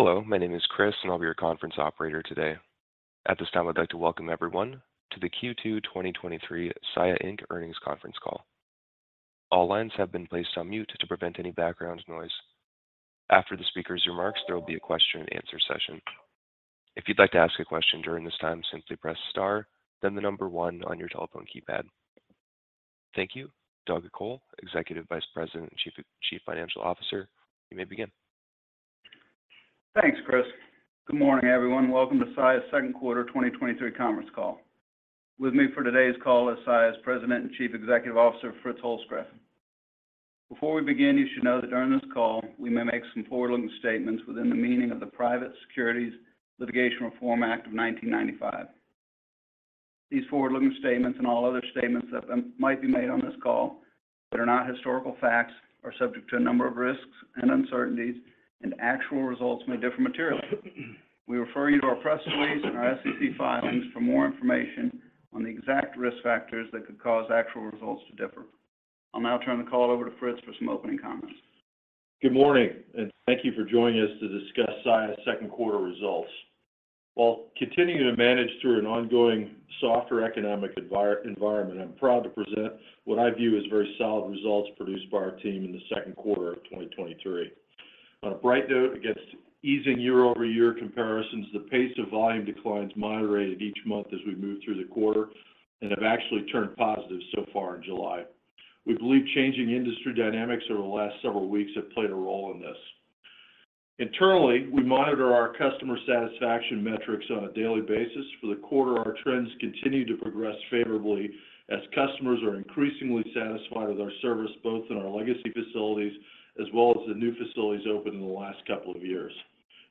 Hello, my name is Chris. I'll be your conference operator today. At this time, I'd like to welcome everyone to the Q2 2023 Saia Inc. Earnings Conference Call. All lines have been placed on mute to prevent any background noise. After the speaker's remarks, there will be a question-and-answer session. If you'd like to ask a question during this time, simply press star, then the one on your telephone keypad. Thank you. Douglas Col, Executive Vice President and Chief Financial Officer, you may begin. Thanks, Chris. Good morning, everyone. Welcome to Saia's Second Quarter 2023 Conference Call. With me for today's call is Saia's President and Chief Executive Officer, Fritz Holzgrefe. Before we begin, you should know that during this call, we may make some forward-looking statements within the meaning of the Private Securities Litigation Reform Act of 1995. These forward-looking statements and all other statements that might be made on this call that are not historical facts are subject to a number of risks and uncertainties, and actual results may differ materially. We refer you to our press release and our SEC filings for more information on the exact risk factors that could cause actual results to differ. I'll now turn the call over to Fritz for some opening comments. Good morning, thank you for joining us to discuss Saia's Q2 results. While continuing to manage through an ongoing softer economic environment, I'm proud to present what I view as very solid results produced by our team in the Q2 of 2023. On a bright note, against easing year-over-year comparisons, the pace of volume declines moderated each month as we moved through the quarter and have actually turned positive so far in July. We believe changing industry dynamics over the last several weeks have played a role in this. Internally, we monitor our customer satisfaction metrics on a daily basis. For the quarter, our trends continued to progress favorably as customers are increasingly satisfied with our service, both in our legacy facilities as well as the new facilities opened in the last couple of years.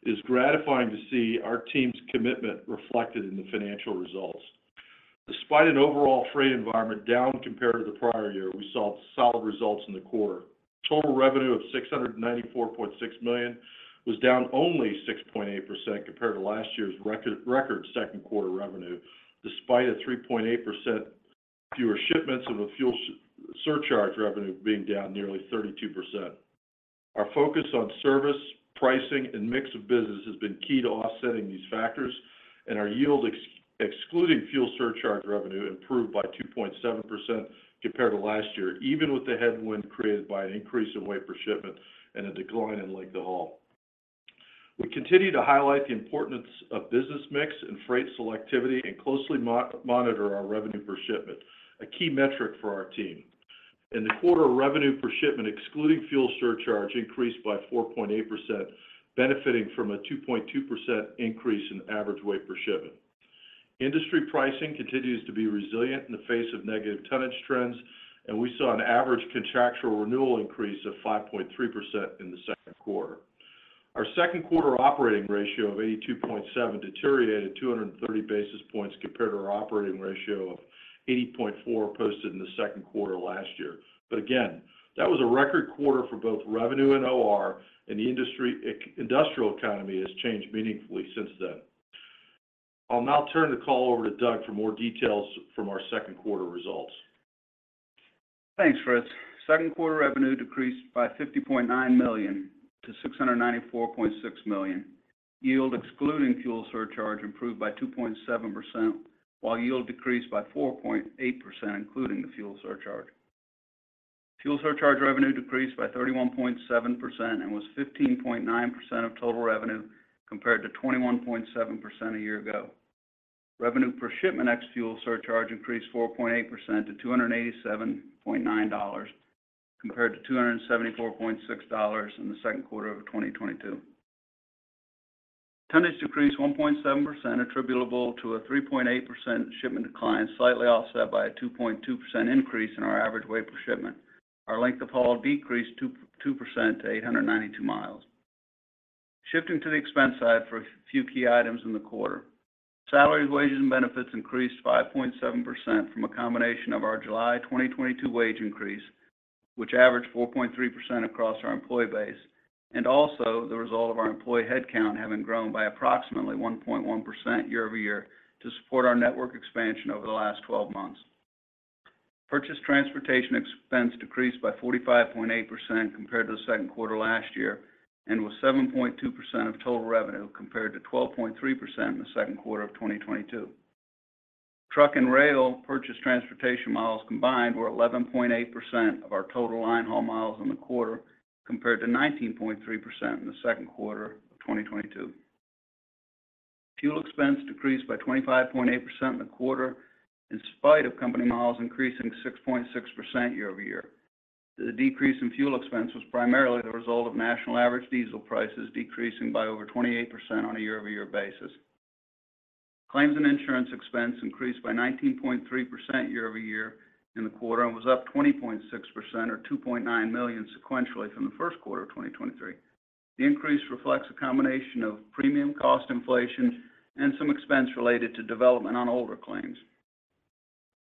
It is gratifying to see our team's commitment reflected in the financial results. Despite an overall freight environment down compared to the prior year, we saw solid results in the quarter. Total revenue of $694.6 million was down only 6.8% compared to last year's record, record Q2 revenue, despite a 3.8% fewer shipments and the fuel surcharge revenue being down nearly 32%. Our focus on service, pricing, and mix of business has been key to offsetting these factors, and our yield, excluding fuel surcharge revenue, improved by 2.7% compared to last year, even with the headwind created by an increase in weight per shipment and a decline in length of haul. We continue to highlight the importance of business mix and freight selectivity and closely monitor our revenue per shipment, a key metric for our team. In the quarter, revenue per shipment, excluding fuel surcharge, increased by 4.8%, benefiting from a 2.2% increase in average weight per shipment. Industry pricing continues to be resilient in the face of negative tonnage trends, and we saw an average contractual renewal increase of 5.3% in the Q2. Our Q2 operating ratio of 82.7 deteriorated 230 basis points compared to our operating ratio of 80.4, posted in the Q2 last year. Again, that was a record quarter for both revenue and OR, and the industrial economy has changed meaningfully since then. I'll now turn the call over to Doug for more details from our Q2 results. Thanks, Fritz. Second quarter revenue decreased by $50.9 million to $694.6 million. Yield, excluding fuel surcharge, improved by 2.7%, while yield decreased by 4.8%, including the fuel surcharge. Fuel surcharge revenue decreased by 31.7% and was 15.9% of total revenue, compared to 21.7% a year ago. Revenue per shipment ex-fuel surcharge increased 4.8% to $287.9, compared to $274.6 in the Q2 of 2022. Tonnage decreased 1.7%, attributable to a 3.8% shipment decline, slightly offset by a 2.2% increase in our average weight per shipment. Our length of haul decreased 2% to 892 miles. Shifting to the expense side for a few key items in the quarter. Salaries, wages, and benefits increased 5.7% from a combination of our July 2022 wage increase, which averaged 4.3% across our employee base, and also the result of our employee headcount having grown by approximately 1.1% year-over-year to support our network expansion over the last 12 months. Purchased transportation expense decreased by 45.8% compared to the Q2 last year and was 7.2% of total revenue, compared to 12.3% in the Q2 of 2022. Truck and rail purchased transportation miles combined were 11.8% of our total line haul miles in the quarter, compared to 19.3% in the Q2 of 2022. Fuel expense decreased by 25.8% in the quarter, in spite of company miles increasing 6.6% year-over-year. The decrease in fuel expense was primarily the result of national average diesel prices decreasing by over 28% on a year-over-year basis. Claims and insurance expense increased by 19.3% year-over-year in the quarter and was up 20.6% or $2.9 million sequentially from the Q1 of 2023. The increase reflects a combination of premium cost inflation and some expense related to development on older claims.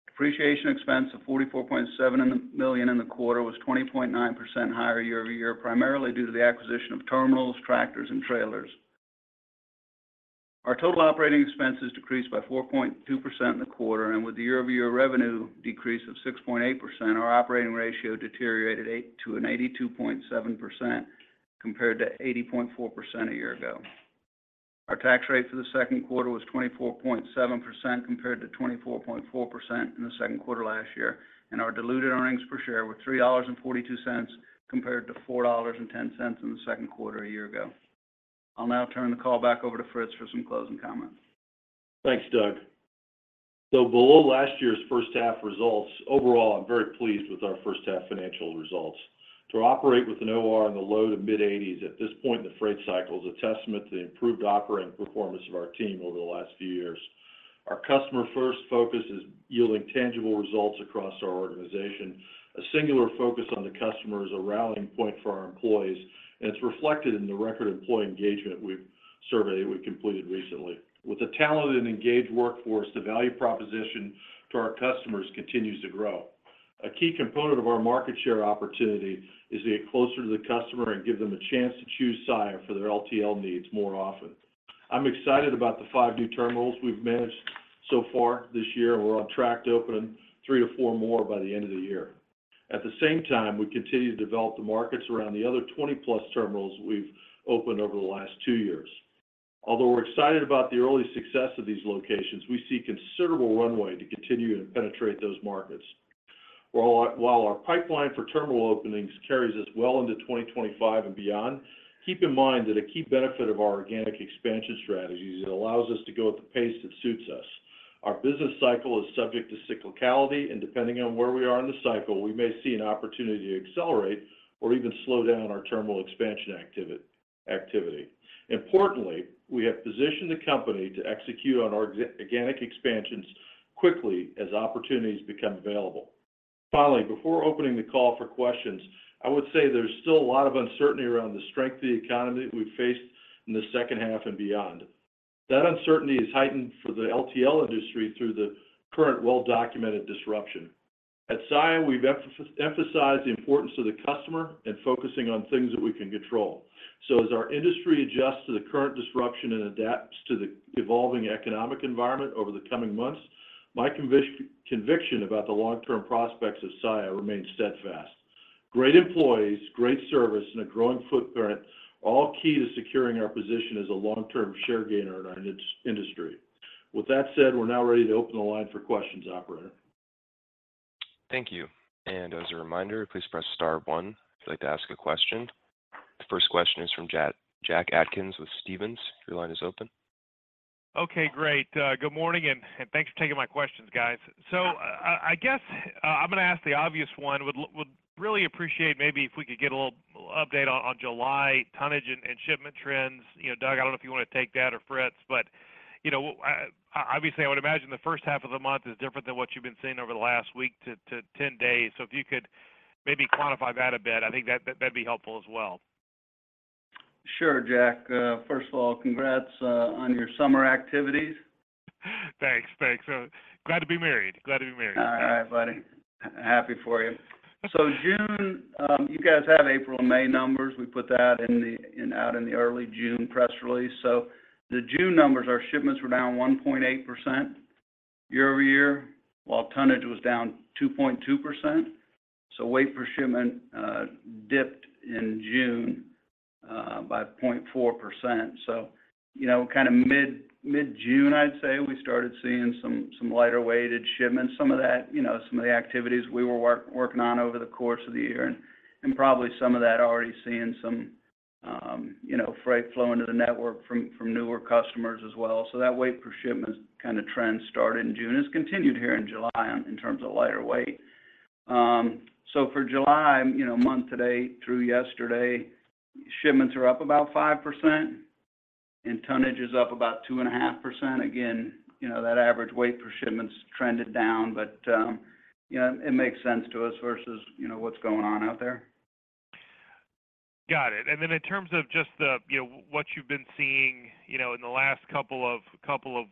Depreciation expense of $44.7 million in the quarter was 20.9% higher year-over-year, primarily due to the acquisition of terminals, tractors, and trailers. Our total Operating Expenses decreased by 4.2% in the quarter, with the year-over-year revenue decrease of 6.8%, our Operating Ratio deteriorated to an 82.7%, compared to 80.4% a year ago. Our tax rate for the Q2 was 24.7%, compared to 24.4% in the Q2 last year, our diluted earnings per share were $3.42, compared to $4.10 in the Q2 a year ago. I'll now turn the call back over to Fritz for some closing comments. Thanks, Doug. Below last year's first half results, overall, I'm very pleased with our first half financial results. To operate with an OR in the low to mid-80s at this point in the freight cycle is a testament to the improved operating performance of our team over the last few years. Our customer first focus is yielding tangible results across our organization. A singular focus on the customer is a rallying point for our employees, and it's reflected in the record employee engagement survey we completed recently. With a talented and engaged workforce, the value proposition to our customers continues to grow. A key component of our market share opportunity is to get closer to the customer and give them a chance to choose Saia for their LTL needs more often. I'm excited about the 5 new terminals we've managed so far this year, and we're on track to open 3-4 more by the end of the year. At the same time, we continue to develop the markets around the other 20-plus terminals we've opened over the last 2 years. Although we're excited about the early success of these locations, we see considerable runway to continue to penetrate those markets. While our pipeline for terminal openings carries us well into 2025 and beyond, keep in mind that a key benefit of our organic expansion strategy is it allows us to go at the pace that suits us. Our business cycle is subject to cyclicality, and depending on where we are in the cycle, we may see an opportunity to accelerate or even slow down our terminal expansion activity. Importantly, we have positioned the company to execute on our organic expansions quickly as opportunities become available. Finally, before opening the call for questions, I would say there's still a lot of uncertainty around the strength of the economy that we face in the second half and beyond. That uncertainty is heightened for the LTL industry through the current well-documented disruption. At Saia, we've emphasized the importance of the customer and focusing on things that we can control. As our industry adjusts to the current disruption and adapts to the evolving economic environment over the coming months, my conviction about the long-term prospects of Saia remains steadfast. Great employees, great service, and a growing footprint, are all key to securing our position as a long-term share gainer in our industry. With that said, we're now ready to open the line for questions, operator. Thank you. As a reminder, please press star one if you'd like to ask a question. The first question is from Jack Atkins with Stephens. Your line is open. Okay, great. Good morning, and, and thanks for taking my questions, guys. I, I guess, I'm going to ask the obvious one. Would really appreciate maybe if we could get a little update on, on July tonnage and, and shipment trends. You know, Doug, I don't know if you want to take that or Fritz, but, you know, obviously, I would imagine the first half of the month is different than what you've been seeing over the last week to, to 10 days. If you could maybe quantify that a bit, I think that, that'd be helpful as well. Sure, Jack. first of all, congrats, on your summer activities. Thanks. Thanks. glad to be married. Glad to be married. All right, buddy. Happy for you. June, you guys have April and May numbers. We put that out in the early June press release. The June numbers, our shipments were down 1.8% year-over-year, while tonnage was down 2.2%. Weight per shipment dipped in June by 0.4%. You know, kind of mid-June, I'd say, we started seeing some lighter weighted shipments, some of that, you know, some of the activities we were working on over the course of the year, and probably some of that already seeing some, you know, freight flow into the network from newer customers as well. That weight per shipment kind of trend started in June, has continued here in July in terms of lighter weight. For July, you know, month to date, through yesterday, shipments are up about 5% and tonnage is up about 2.5%. Again, you know, that average weight per shipment's trended down, but, you know, it makes sense to us versus, you know, what's going on out there. Got it. Then in terms of just the, you know, what you've been seeing, you know, in the last couple of, couple of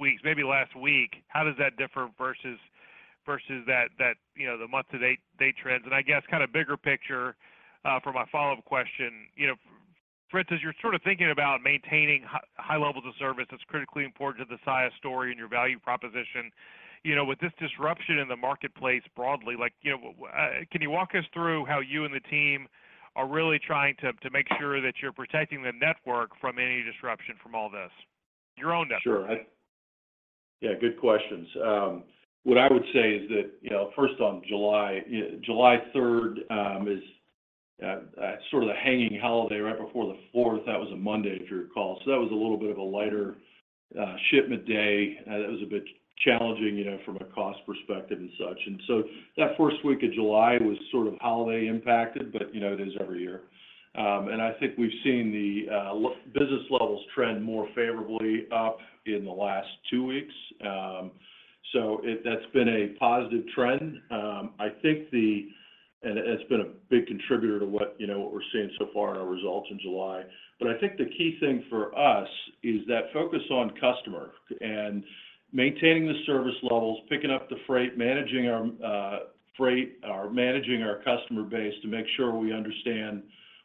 weeks, maybe last week, how does that differ versus, versus that, that, you know, the month to date, date trends? I guess, kind of bigger picture, for my follow-up question, you know, Fritz, as you're sort of thinking about maintaining high levels of service, that's critically important to the Saia story and your value proposition, you know, with this disruption in the marketplace broadly, like, you know, can you walk us through how you and the team are really trying to, to make sure that you're protecting the network from any disruption from all this, your own network? Sure. I- yeah, good questions. What I would say is that, you know, first, on July, July third, is sort of the hanging holiday right before the fourth. That was a Monday, if you recall. That was a little bit of a lighter shipment day. That was a bit challenging, you know, from a cost perspective and such. That first week of July was sort of holiday impacted, but, you know, it is every year. I think we've seen the business levels trend more favorably up in the last two weeks. That's been a positive trend. I think the- it's been a big contributor to what, you know, what we're seeing so far in our results in July. I think the key thing for us is that focus on customer- maintaining the service levels, picking up the freight, managing our freight, or managing our customer base to make sure we understand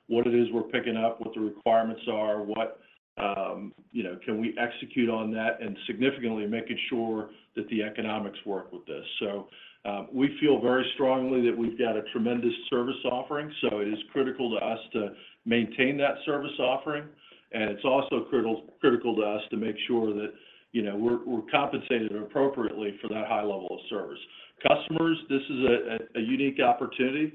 what it is we're picking up, what the requirements are, what, you know, can we execute on that? Significantly, making sure that the economics work with this. We feel very strongly that we've got a tremendous service offering, so it is critical to us to maintain that service offering, and it's also critical, critical to us to make sure that, you know, we're, we're compensated appropriately for that high level of service. Customers, this is a, a, a unique opportunity,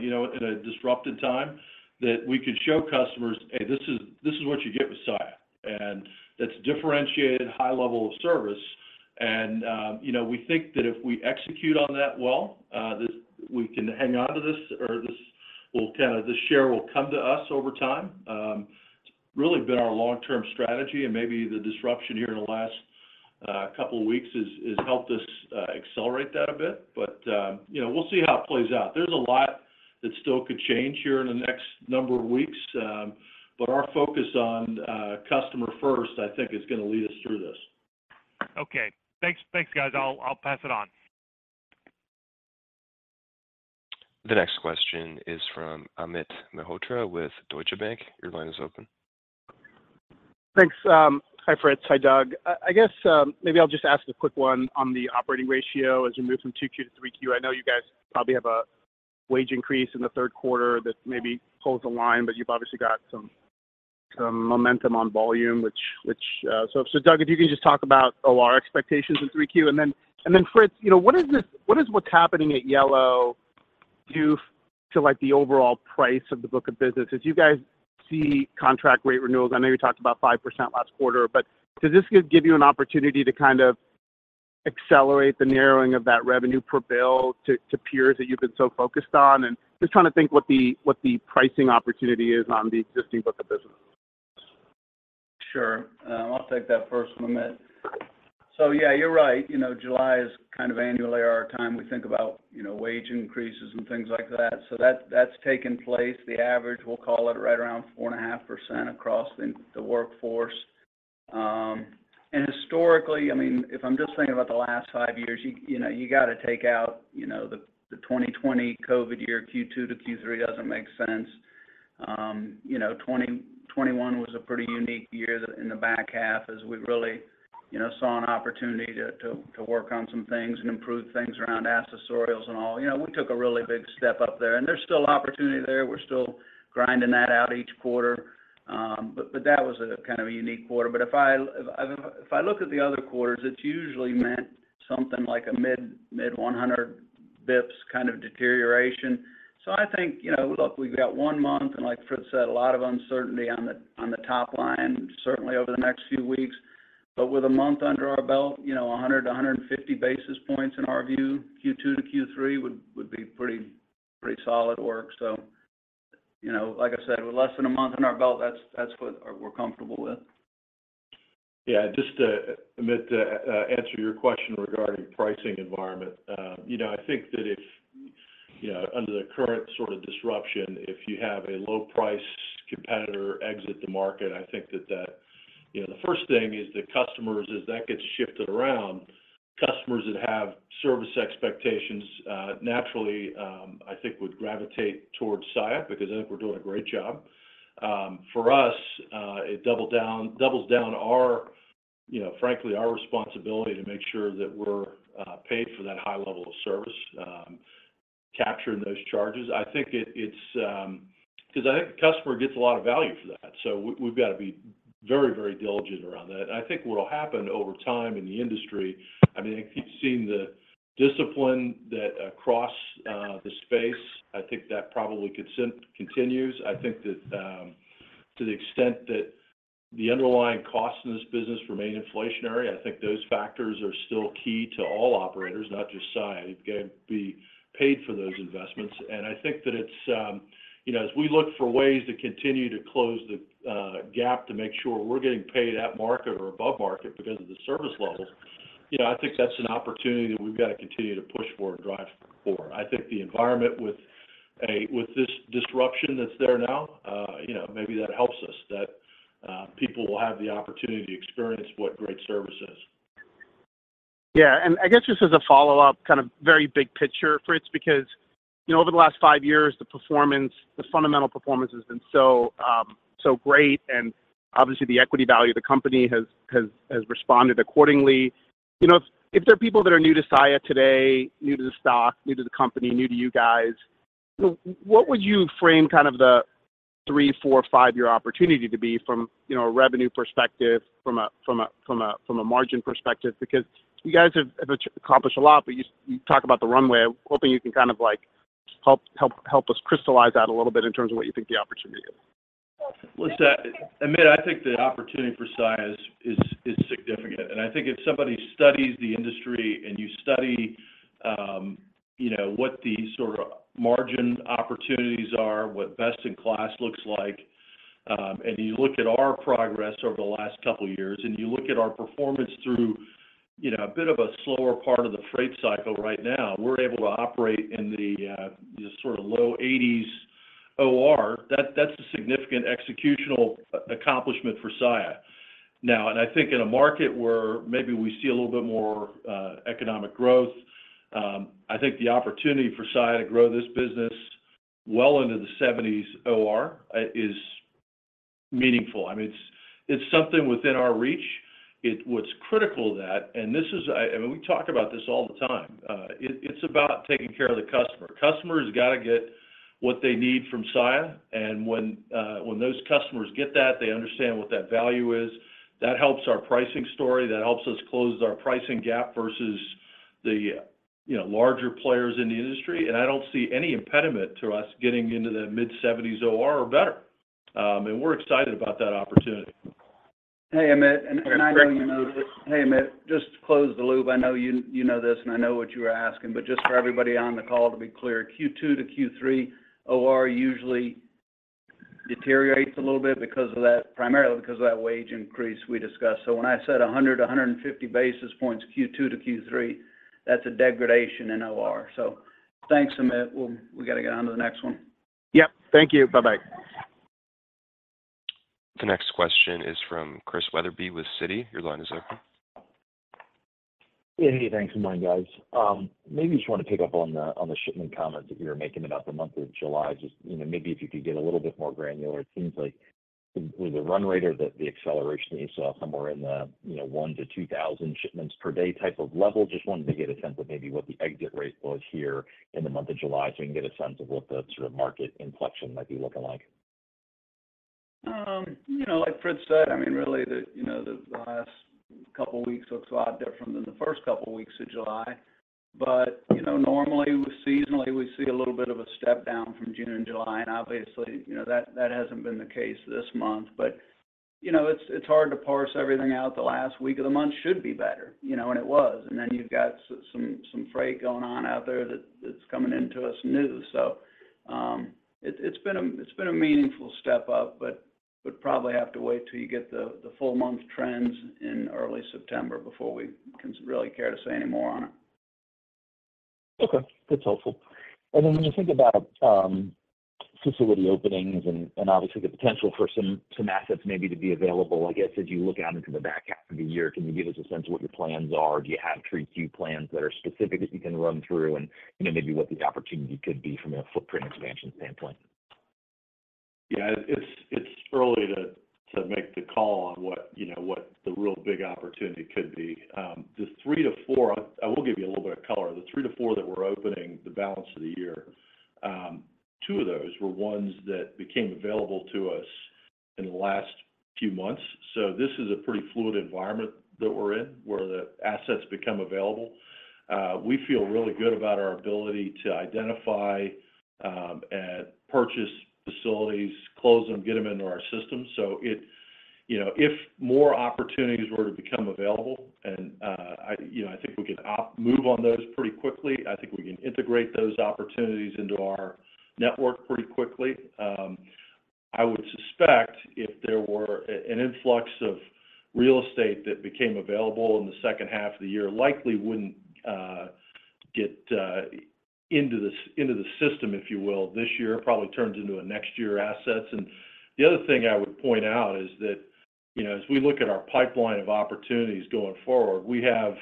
you know, in a disrupted time, that we could show customers, "Hey, this is, this is what you get with Saia." That's differentiated high level of service, and, you know, we think that if we execute on that well, we can hang on to this or this will kind of, the share will come to us over time. It's really been our long-term strategy, and maybe the disruption here in the last couple of weeks has, has helped us accelerate that a bit. You know, we'll see how it plays out. There's a lot that still could change here in the next number of weeks, but our focus on customer first, I think, is going to lead us through this. Okay. Thanks, thanks, guys. I'll, I'll pass it on. The next question is from Amit Mehrotra with Deutsche Bank. Your line is open. Thanks. Hi, Fritz. Hi, Doug. I guess, maybe I'll just ask a quick one on the operating ratio as you move from Q2 to Q3. I know you guys probably have a wage increase in the third quarter that maybe holds the line, but you've obviously got some, some momentum on volume, which, which... Doug, if you could just talk about OR expectations in Q3. Fritz, you know, what is what's happening at Yellow do to, like, the overall price of the book of business? As you guys see contract rate renewals, I know you talked about 5% last quarter, does this give you an opportunity to kind of accelerate the narrowing of that revenue per bill to, to peers that you've been so focused on? Just trying to think what the pricing opportunity is on the existing book of business. Sure. I'll take that first one, Amit. Yeah, you're right, you know, July is kind of annually our time we think about, you know, wage increases and things like that. That's taken place. The average, we'll call it right around 4.5% across the workforce. Historically, I mean, if I'm just thinking about the last 5 years, you, you know, you got to take out, you know, the 2020 COVID year, Q2 to Q3 doesn't make sense. You know, 2021 was a pretty unique year that in the back half as we really, you know, saw an opportunity to work on some things and improve things around accessorials and all. You know, we took a really big step up there, and there's still opportunity there. We're still grinding that out each quarter. But that was a kind of a unique quarter. If I look at the other quarters, it's usually meant something like a mid-100 basis points kind of deterioration. I think, you know, look, we've got one month, and like Fritz said, a lot of uncertainty on the top line, certainly over the next few weeks. With a month under our belt, you know, 100-150 basis points in our view, Q2 to Q3 would be pretty solid work. You know, like I said, with less than 1 month under our belt, that's what we're comfortable with. Yeah, just to, Amit, to answer your question regarding pricing environment. You know, I think that if, you know, under the current sort of disruption, if you have a low-price competitor exit the market, I think that that- you know, the first thing is the customers, as that gets shifted around, customers that have service expectations, naturally, I think would gravitate towards Saia, because I think we're doing a great job. For us, it doubles down our, you know, frankly, our responsibility to make sure that we're paid for that high level of service, capturing those charges. I think it, it's because I think the customer gets a lot of value for that, so we, we've got to be very, very diligent around that. I think what will happen over time in the industry, I mean, if you've seen the discipline that across the space, I think that probably continues. I think that, to the extent that the underlying costs in this business remain inflationary, I think those factors are still key to all operators, not just Saia, you got to be paid for those investments. I think that it's, you know, as we look for ways to continue to close the gap to make sure we're getting paid at market or above market because of the service levels, you know, I think that's an opportunity that we've got to continue to push for and drive for. I think the environment with this disruption that's there now, you know, maybe that helps us, that people will have the opportunity to experience what great service is. Yeah, I guess just as a follow-up, kind of very big picture, Fritz, because, you know, over the last 5 years, the performance, the fundamental performance has been so great, and obviously, the equity value of the company has responded accordingly. You know, if there are people that are new to Saia today, new to the stock, new to the company, new to you guys, what would you frame kind of the 3, 4, 5-year opportunity to be from, you know, a revenue perspective, from a margin perspective? You guys have accomplished a lot, but you talk about the runway. Hoping you can kind of like, help us crystallize that a little bit in terms of what you think the opportunity is. Listen, Amit, I think the opportunity for Saia is, is, is significant. I think if somebody studies the industry and you study, you know, what the sort of margin opportunities are, what best-in-class looks like, and you look at our progress over the last couple of years, and you look at our performance through, you know, a bit of a slower part of the freight cycle right now, we're able to operate in the, the sort of low 80s OR, that, that's a significant executional accomplishment for Saia. I think in a market where maybe we see a little bit more economic growth, I think the opportunity for Saia to grow this business well into the 70s OR, is meaningful. I mean, it's, it's something within our reach. What's critical to that, I mean, we talk about this all the time, it's about taking care of the customer. Customer's got to get what they need from Saia, and when those customers get that, they understand what that value is. That helps our pricing story, that helps us close our pricing gap versus the, you know, larger players in the industry. I don't see any impediment to us getting into the mid-seventies OR or better. We're excited about that opportunity. Hey, Amit, I know you know this. Hey, Amit, just to close the loop, I know you know this, I know what you were asking, Just for everybody on the call, to be clear, Q2 to Q3, OR usually deteriorates a little bit because of that, primarily because of that wage increase we discussed. When I said 100 to 150 basis points, Q2 to Q3, that's a degradation in OR. Thanks, Amit. We got to get on to the next one. Yep. Thank you. Bye-bye. The next question is from Chris Wetherbee with Citi. Your line is open. Hey, thanks. Good morning, guys. maybe just want to pick up on the, on the shipment comments that you were making about the month of July. Just, you know, maybe if you could get a little bit more granular. It seems like the, the run rate or the, the acceleration that you saw somewhere in the, you know, 1,000-2,000 shipments per day type of level. Just wanted to get a sense of maybe what the exit rate was here in the month of July, so we can get a sense of what the sort of market inflection might be looking like? You know, like Fritz said, I mean, really, the, you know, the, the last couple of weeks looks a lot different than the first couple of weeks of July. You know, normally, seasonally, we see a little bit of a step down from June and July, and obviously, you know, that, that hasn't been the case this month. You know, it's, it's hard to parse everything out. The last week of the month should be better, you know, and it was. You've got some freight going on out there that, that's coming into us new. It's been a meaningful step up, but we'd probably have to wait till you get the, the full month trends in early September before we can really care to say any more on it. Okay. That's helpful. Then when you think about, facility openings and obviously the potential for some assets maybe to be available, I guess, as you look out into the back half of the year, can you give us a sense of what your plans are? Do you have 3Q plans that are specific that you can run through, and, you know, maybe what the opportunity could be from a footprint expansion standpoint? Yeah, it's, it's early to, to make the call on what, you know, what the real big opportunity could be. The three to four- I, I will give you a little bit of color. The three to four that we're opening, the balance of the year, two of those were ones that became available to us in the last few months. This is a pretty fluid environment that we're in, where the assets become available. We feel really good about our ability to identify, and purchase facilities, close them, get them into our system. If, you know, if more opportunities were to become available, and I, you know, I think we can move on those pretty quickly. I think we can integrate those opportunities into our network pretty quickly. I would suspect if there were an influx of real estate that became available in the second half of the year, likely wouldn't get into the system, if you will, this year. It probably turns into a next year assets. The other thing I would point out is that, you know, as we look at our pipeline of opportunities going forward, we have,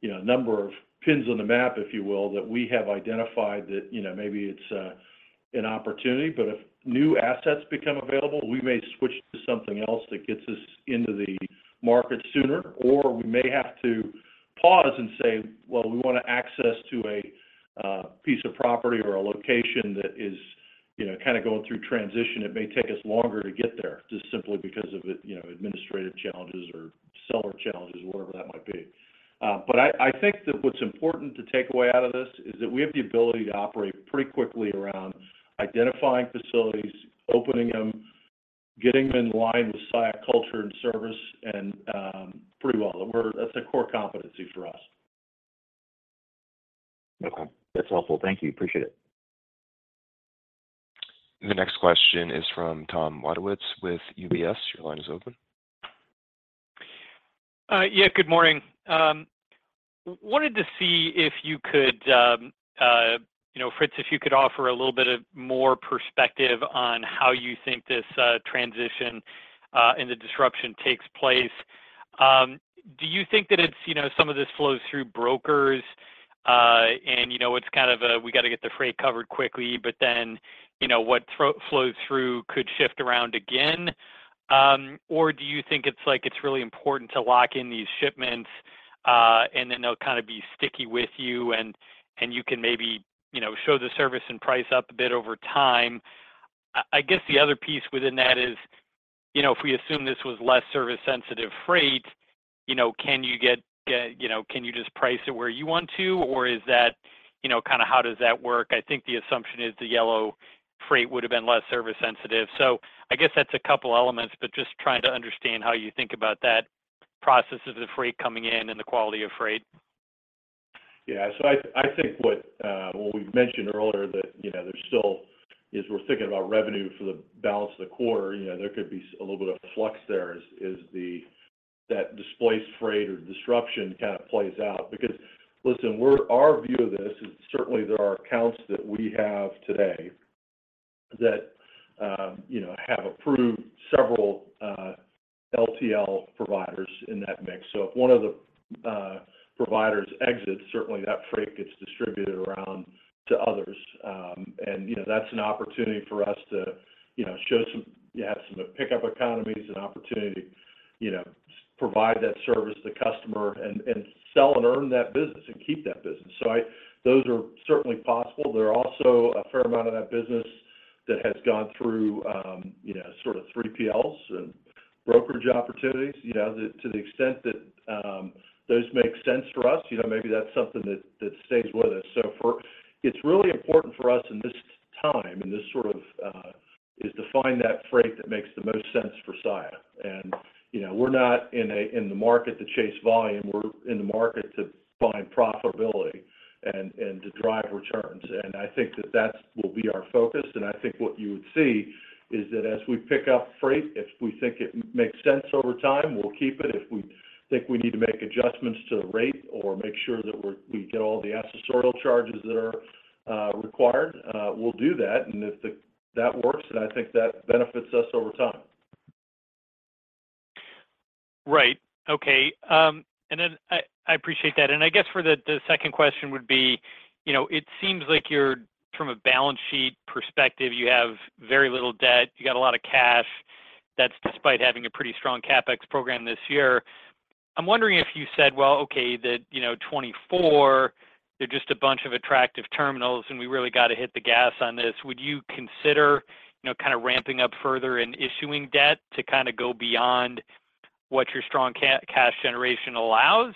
you know, a number of pins on the map, if you will, that we have identified that, you know, maybe it's an opportunity. If new assets become available, we may switch to something else that gets us into the market sooner, or we may have to pause and say, "Well, we want to access to a piece of property or a location that is, you know, kind of going through transition." It may take us longer to get there, just simply because of the, you know, administrative challenges or seller challenges, whatever that might be. I, I think that what's important to take away out of this is that we have the ability to operate pretty quickly around identifying facilities, opening them, getting them in line with Saia culture and service, and pretty well. That's a core competency for us. Okay. That's helpful. Thank you. Appreciate it. The next question is from Tom Wadewitz with UBS. Your line is open. Yeah, good morning. wanted to see if you could, you know, Fritz, if you could offer a little bit of more perspective on how you think this transition and the disruption takes place. Do you think that it's, you know, some of this flows through brokers, and, you know, it's kind of a, we got to get the freight covered quickly, but then, you know, what flows through could shift around again? Do you think it's like it's really important to lock in these shipments, and then they'll kind of be sticky with you, and, and you can maybe, you know, show the service and price up a bit over time? I guess the other piece within that is, you know, if we assume this was less service-sensitive freight, you know, can you get, you know, can you just price it where you want to, or is that, you know, kind of how does that work? I think the assumption is the Yellow freight would have been less service sensitive. I guess that's a couple elements, but just trying to understand how you think about that process of the freight coming in and the quality of freight. Yeah. I, I think what we've mentioned earlier that, you know, there's still, as we're thinking about revenue for the balance of the quarter, you know, there could be a little bit of flux there- that displaced freight or disruption kind of plays out. listen, we're our view of this is certainly there are accounts that we have today that, you know, have approved several LTL providers in that mix. If one of the providers exits, certainly that freight gets distributed around to others. You know, that's an opportunity for us to, you know, show some pickup economies, an opportunity to, you know, provide that service to the customer and, and sell and earn that business and keep that business. I those are certainly possible. There are also a fair amount of that business that has gone through, you know, sort of 3PLs and brokerage opportunities, you know, that to the extent that, those make sense for us, you know, maybe that's something that, that stays with us. It's really important for us in this time, in this sort of, is to find that freight that makes the most sense for Saia. You know, we're not in a, in the market to chase volume. We're in the market to find profitability and, and to drive returns. I think that that will be our focus, and I think what you would see is that as we pick up freight, if we think it makes sense over time, we'll keep it. If we think we need to make adjustments to the rate or make sure that we're, we get all the accessorial charges that are required, we'll do that. If that works, then I think that benefits us over time. Right. Okay. I, I appreciate that. I guess for the, the second question would be, you know, it seems like you're, from a balance sheet perspective, you have very little debt, you got a lot of cash. That's despite having a pretty strong CapEx program this year. I'm wondering if you said, well, okay, that, you know, '24, they're just a bunch of attractive terminals, and we really got to hit the gas on this. Would you consider, you know, kind of ramping up further and issuing debt to kind of go beyond what your strong cash generation allows?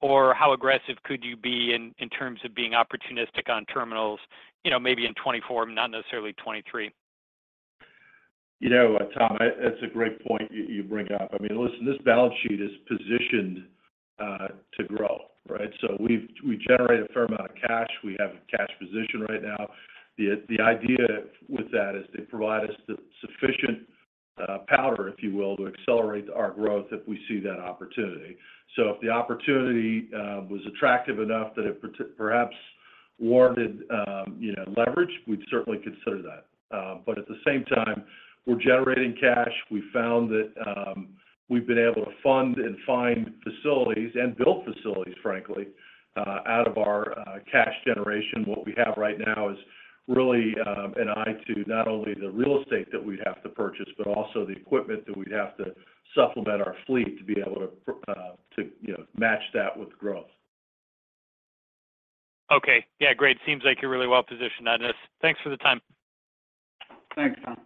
Or how aggressive could you be in, in terms of being opportunistic on terminals, you know, maybe in '24, not necessarily '23? You know, Tom, that's a great point you, you bring up. I mean, listen, this balance sheet is positioned to grow, right? We've, we generate a fair amount of cash. We have a cash position right now. The, the idea with that is to provide us the sufficient powder, if you will, to accelerate our growth if we see that opportunity. If the opportunity was attractive enough that it per- perhaps warranted, you know, leverage, we'd certainly consider that. At the same time, we're generating cash. We found that we've been able to fund and find facilities and build facilities, frankly, out of our cash generation. What we have right now is really, an eye to not only the real estate that we'd have to purchase, but also the equipment that we'd have to supplement our fleet to be able to, to, you know, match that with growth. Okay. Yeah, great. Seems like you're really well positioned on this. Thanks for the time. Thanks, Tom.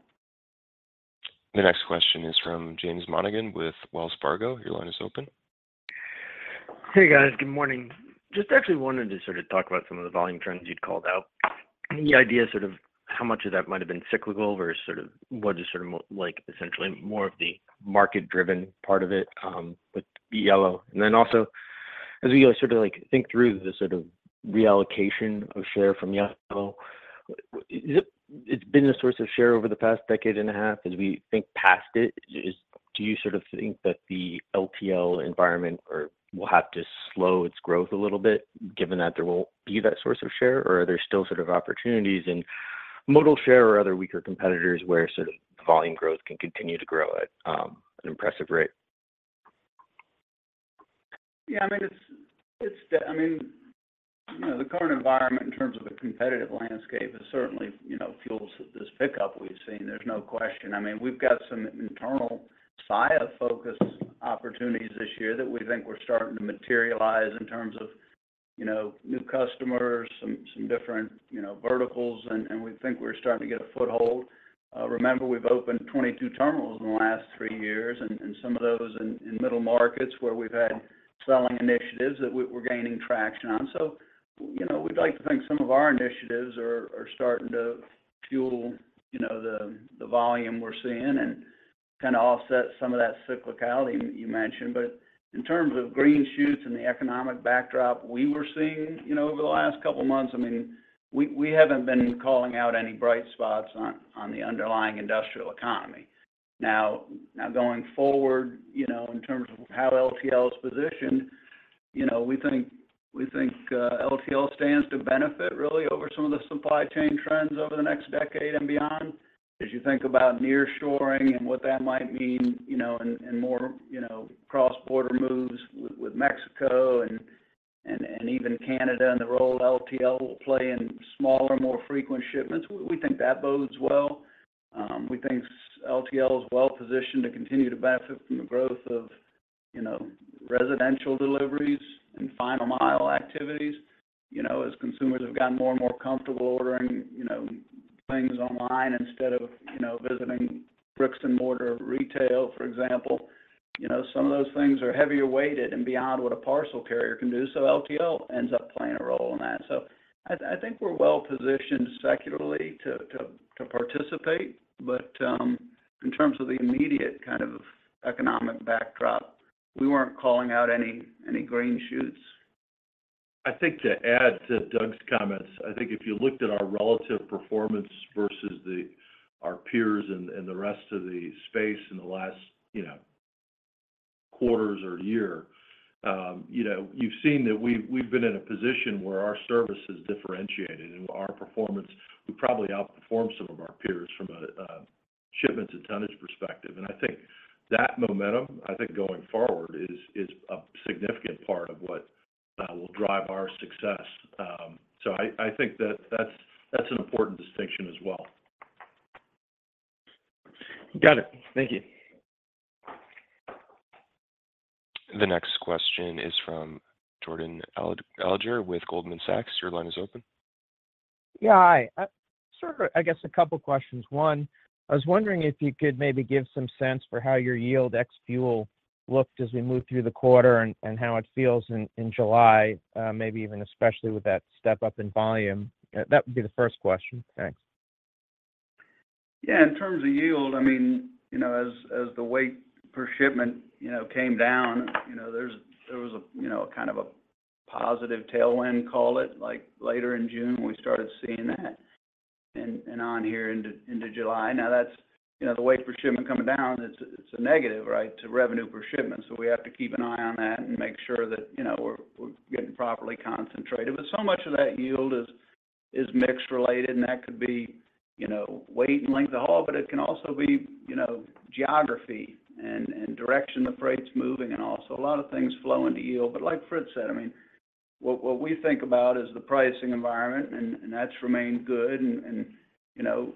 The next question is from James Monigan with Wells Fargo. Your line is open. Hey, guys. Good morning. Just actually wanted to sort of talk about some of the volume trends you'd called out. The idea, sort of how much of that might have been cyclical versus sort of what is sort of like essentially more of the market-driven part of it, with Yellow. As we sort of like think through the sort of reallocation of share from Yellow, it's been a source of share over the past decade and a half. As we think past it, do you sort of think that the LTL environment or will have to slow its growth a little bit, given that there won't be that source of share? Are there still sort of opportunities in modal share or other weaker competitors where sort of volume growth can continue to grow at, an impressive rate? Yeah, I mean, it's, it's I mean- you know, the current environment in terms of the competitive landscape is certainly, you know, fuels this pickup we've seen. There's no question. I mean, we've got some internal Saia-focused opportunities this year that we think were starting to materialize in terms of, you know, new customers, some, some different, you know, verticals, and, and we think we're starting to get a foothold. Remember, we've opened 22 terminals in the last 3 years, and, and some of those in, in middle markets where we've had selling initiatives that we're, we're gaining traction on. You know, we'd like to think some of our initiatives are, are starting to fuel, you know, the, the volume we're seeing and kind of offset some of that cyclicality you mentioned. In terms of green shoots and the economic backdrop we were seeing, you know, over the last couple of months, I mean, we, we haven't been calling out any bright spots on, on the underlying industrial economy. Now, now going forward, you know, in terms of how LTL is positioned, you know, we think, we think LTL stands to benefit really over some of the supply chain trends over the next decade and beyond. As you think about nearshoring and what that might mean, you know, and, and more, you know, cross-border moves with Mexico and, and, and even Canada, and the role LTL will play in smaller, more frequent shipments, we think that bodes well. We think LTL is well positioned to continue to benefit from the growth of, you know, residential deliveries and final mile activities. You know, as consumers have gotten more and more comfortable ordering, you know, things online instead of, you know, visiting bricks and mortar retail, for example, you know, some of those things are heavier weighted and beyond what a parcel carrier can do, LTL ends up playing a role in that. I, I think we're well-positioned secularly to, to, to participate, but, in terms of the immediate kind of economic backdrop, we weren't calling out any, any green shoots. I think to add to Doug's comments, I think if you looked at our relative performance versus the, our peers and, and the rest of the space in the last, you know, quarters or year, you know, you've seen that we've, we've been in a position where our service is differentiated, and our performance, we probably outperformed some of our peers from a, a shipments and tonnage perspective. I think that momentum, I think going forward, is, is a significant part of what will drive our success. So I, I think that that's, that's an important distinction as well. Got it. Thank you. The next question is from Jordan Alliger with Goldman Sachs. Your line is open. Yeah, hi. Sort of, I guess a couple questions. One, I was wondering if you could maybe give some sense for how your yield ex fuel looked as we moved through the quarter, and how it feels in July, maybe even especially with that step up in volume. That would be the first question. Thanks. Yeah, in terms of yield, I mean, you know, as, as the weight per shipment, you know, came down, you know, there was a, you know, a kind of a positive tailwind, call it. Like, later in June, we started seeing that, and, and on here into, into July. Now, that's, you know, the weight per shipment coming down, it's, it's a negative, right, to revenue per shipment, so we have to keep an eye on that and make sure that, you know, we're, we're getting properly concentrated. So much of that yield is, is mix related, and that could be, you know, weight and length of haul, but it can also be, you know, geography and, and direction the freight's moving, and also a lot of things flow into yield. Like Fritz said, I mean, what, what we think about is the pricing environment, and, and that's remained good. You know,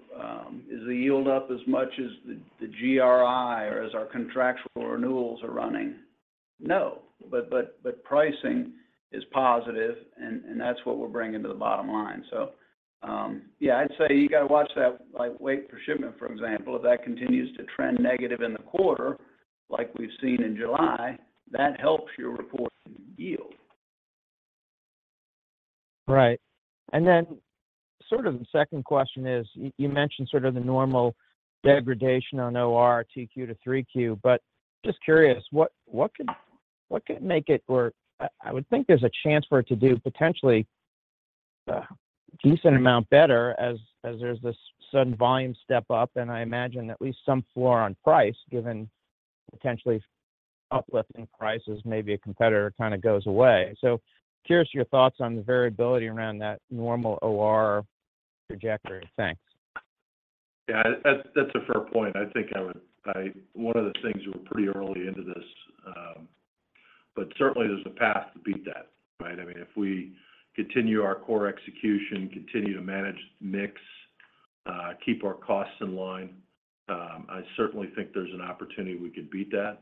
is the yield up as much as the GRI or as our contractual renewals are running? No. Pricing is positive, and, and that's what we're bringing to the bottom line. Yeah, I'd say you got to watch that, like, weight per shipment, for example. If that continues to trend negative in the quarter, like we've seen in July, that helps your reported yield. Right. Then sort of the second question is, you, you mentioned sort of the normal degradation on OR Q2 to Q3. Just curious, what could make it- I would think there's a chance for it to do potentially a decent amount better as there's this sudden volume step up, and I imagine at least some floor on price, given potentially uplifting prices, maybe a competitor kind of goes away. Curious your thoughts on the variability around that normal OR trajectory. Thanks. Yeah, that's, that's a fair point. I think one of the things, we're pretty early into this. Certainly there's a path to beat that, right? I mean, if we continue our core execution, continue to manage mix, keep our costs in line, I certainly think there's an opportunity we could beat that.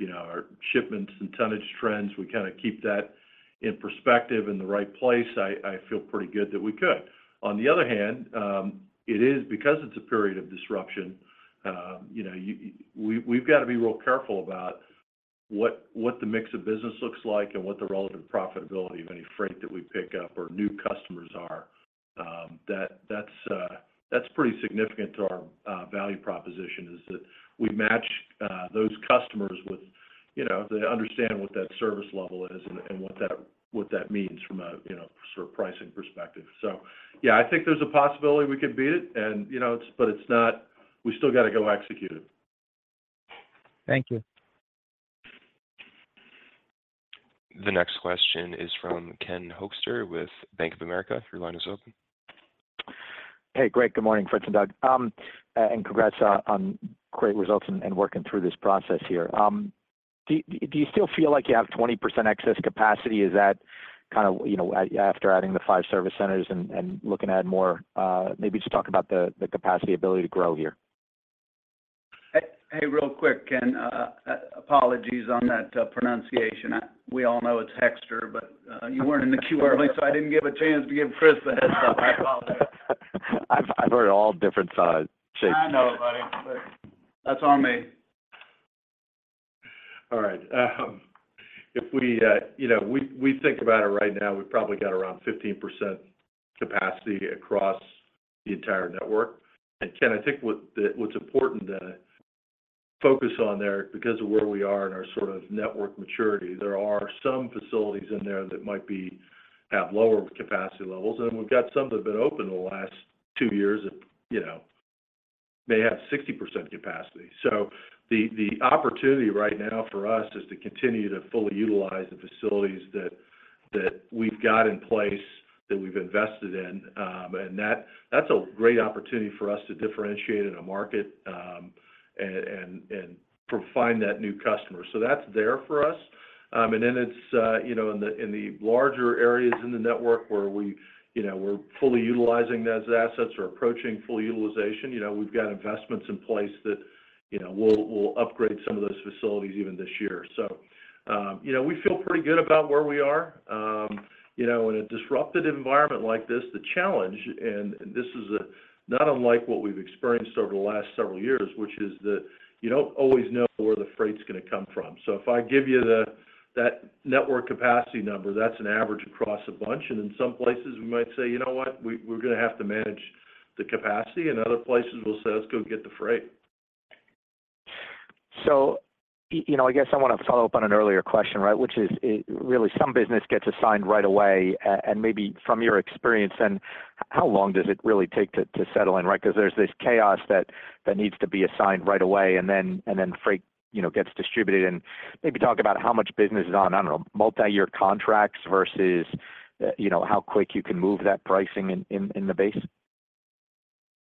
You know, our shipments and tonnage trends, we kinda keep that in perspective in the right place. I, I feel pretty good that we could. On the other hand, it is because it's a period of disruption, you know, we've got to be real careful about what, what the mix of business looks like and what the relative profitability of any freight that we pick up or new customers are. That's pretty significant to our value proposition, is that we match those customers with, you know, they understand what that service level is and, and what that, what that means from a, you know, sort of pricing perspective. Yeah, I think there's a possibility we could beat it and, you know, we still got to go execute it. Thank you. The next question is from Ken Hoexter with Bank of America. Your line is open. Hey, great. Good morning, Fritz and Doug. Congrats on, on great results and, and working through this process here. Do, do you still feel like you have 20% excess capacity? Is that kind of, you know, after adding the 5 service centers and, and looking to add more? Maybe just talk about the, the capacity ability to grow here. Hey, hey, real quick, Ken, apologies on that pronunciation. We all know it's Hoexter, but you weren't in the queue early, so I didn't get a chance to give Chris a heads up. I apologize. I've heard all different shapes... I know, buddy. That's on me. All right. If we, you know, we, we think about it right now, we've probably got around 15% capacity across the entire network. Ken, I think what's important to focus on there, because of where we are in our sort of network maturity, there are some facilities in there that might be, have lower capacity levels, and we've got some that have been open the last two years that, you know, may have 60% capacity. The opportunity right now for us is to continue to fully utilize the facilities that, that we've got in place, that we've invested in. That's a great opportunity for us to differentiate in a market, and find that new customer. That's there for us. Then it's, you know, in the, in the larger areas in the network where we, you know, we're fully utilizing those assets or approaching full utilization, you know, we've got investments in place that, you know, we'll, we'll upgrade some of those facilities even this year. You know, we feel pretty good about where we are. You know, in a disrupted environment like this, the challenge, and this is not unlike what we've experienced over the last several years, which is that you don't always know where the freight's going to come from. If I give you that network capacity number, that's an average across a bunch, and in some places we might say, "You know what? We're going to have to manage the capacity," and other places we'll say, "Let's go get the freight. You know, I guess I want to follow up on an earlier question, right? Which is, is really some business gets assigned right away. And maybe from your experience, then, how long does it really take to, to settle in, right? Because there's this chaos that, that needs to be assigned right away, and then, and then freight, you know, gets distributed. Maybe talk about how much business is on, I don't know, multi-year contracts versus, you know, how quick you can move that pricing in, in, in the base.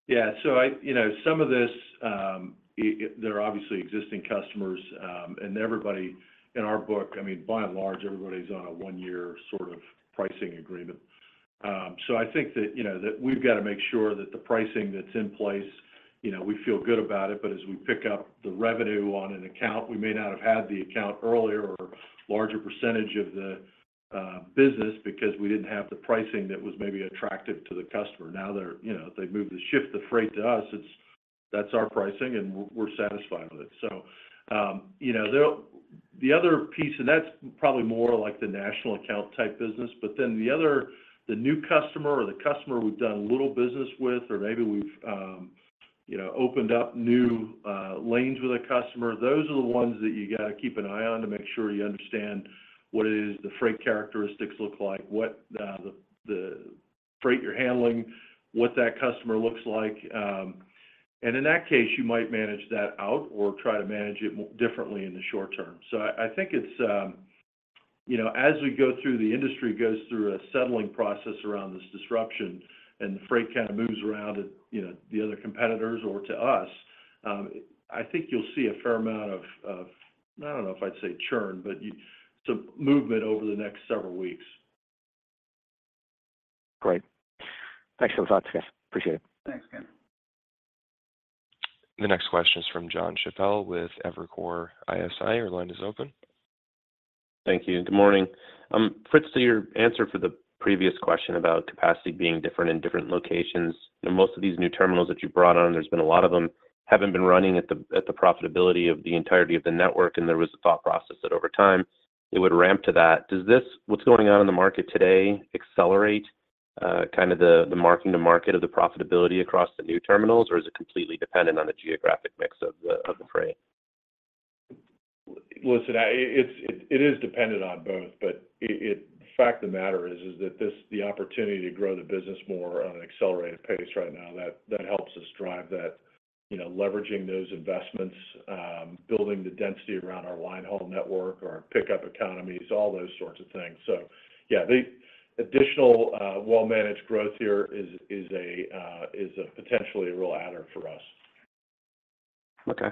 Yeah. I- you know, some of this, there are obviously existing customers. Everybody in our book, I mean, by and large, everybody's on a one-year sort of pricing agreement. I think that, you know, that we've got to make sure that the pricing that's in place, you know, we feel good about it, but as we pick up the revenue on an account, we may not have had the account earlier or larger percentage of the business because we didn't have the pricing that was maybe attractive to the customer. Now they're, you know, they've moved the ship, the freight to us, that's our pricing, and we're satisfied with it. You know, the, the other piece, and that's probably more like the national account type business, but then the new customer or the customer we've done little business with, or maybe we've, you know, opened up new lanes with a customer, those are the ones that you got to keep an eye on to make sure you understand what it is the freight characteristics look like, what, the, the freight you're handling, what that customer looks like. In that case, you might manage that out or try to manage it differently in the short term. I, I think it's, you know, as we go through, the industry goes through a settling process around this disruption, and the freight kind of moves around to, you know, the other competitors or to us, I think you'll see a fair amount of, of, I don't know if I'd say churn, but some movement over the next several weeks. Great. Thanks for those thoughts, guys. Appreciate it. Thanks, Ken. The next question is from Jonathan Chappell with Evercore ISI. Your line is open. Thank you, good morning. Fritz, so your answer for the previous question about capacity being different in different locations, and most of these new terminals that you brought on, there's been a lot of them, haven't been running at the, at the profitability of the entirety of the network, and there was a thought process that over time it would ramp to that. Does this, what's going on in the market today, accelerate, kind of the, the mark in the market of the profitability across the new terminals, or is it completely dependent on the geographic mix of the, of the freight? Listen, it is dependent on both, but it fact of the matter is, is that this the opportunity to grow the business more on an accelerated pace right now, that, that helps us drive that, you know, leveraging those investments, building the density around our line haul network, our pickup economies, all those sorts of things. Yeah, the additional, well-managed growth here is, is a, is a potentially a real adder for us. Okay.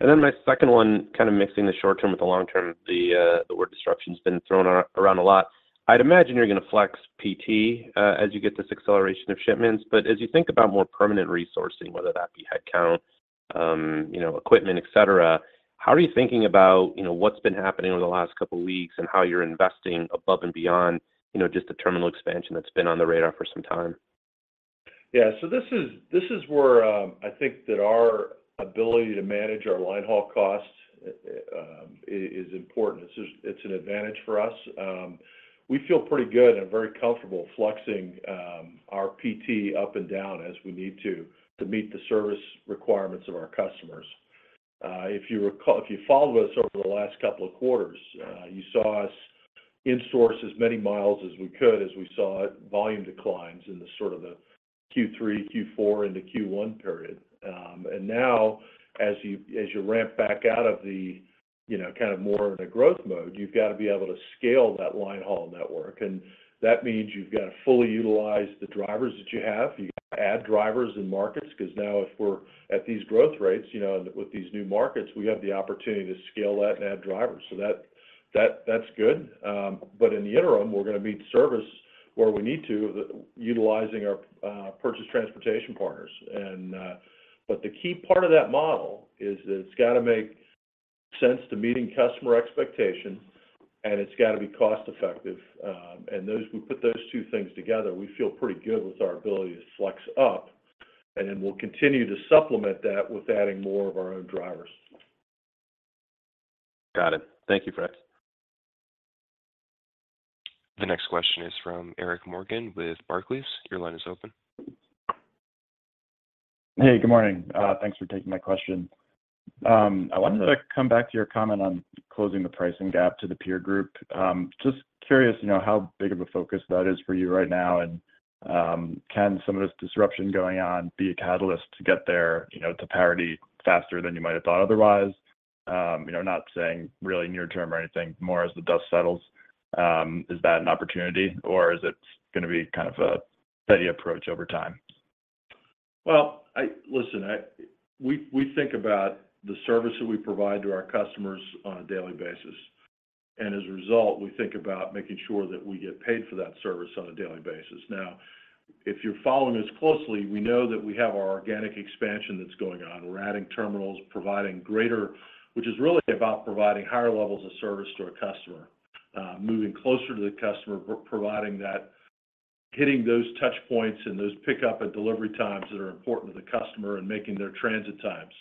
Then my second one, kind of mixing the short term with the long term, the, the word disruption's been thrown around a lot. I'd imagine you're going to flex PT as you get this acceleration of shipments, but as you think about more permanent resourcing, whether that be headcount, you know, equipment, et cetera, how are you thinking about, you know, what's been happening over the last couple of weeks and how you're investing above and beyond, you know, just the terminal expansion that's been on the radar for some time? Yeah. This is, this is where I think that our ability to manage our line haul costs is important. It's just, it's an advantage for us. We feel pretty good and very comfortable flexing our PT up and down as we need to to meet the service requirements of our customers. If you followed us over the last couple of quarters, you saw us insource as many miles as we could, as we saw volume declines in the sort of the Q3, Q4, and the Q1 period. Now, as you, as you ramp back out of the, you know, kind of more of the growth mode, you've got to be able to scale that line haul network. That means you've got to fully utilize the drivers that you have. You add drivers in markets, because now if we're at these growth rates, you know, with these new markets, we have the opportunity to scale that and add drivers. That, that, that's good. In the interim, we're going to meet service where we need to, utilizing our purchase transportation partners. The key part of that model is that it's got to make sense to meeting customer expectations, and it's got to be cost effective. Those, we put those two things together, we feel pretty good with our ability to flex up, and then we'll continue to supplement that with adding more of our own drivers. Got it. Thank you, Fritz. The next question is from Eric Morgan with Barclays. Your line is open. Hey, good morning. Thanks for taking my question. I wanted to come back to your comment on closing the pricing gap to the peer group. Just curious, you know, how big of a focus that is for you right now. Can some of this disruption going on be a catalyst to get there, you know, to parity faster than you might have thought otherwise? You know, not saying really near term or anything, more as the dust settles, is that an opportunity or is it going to be kind of a steady approach over time? Well, Listen, we think about the service that we provide to our customers on a daily basis, and as a result, we think about making sure that we get paid for that service on a daily basis. Now, if you're following us closely, we know that we have our organic expansion that's going on. We're adding terminals, providing greater, which is really about providing higher levels of service to our customer. Moving closer to the customer, providing that, hitting those touch points and those pickup and delivery times that are important to the customer and making their transit times.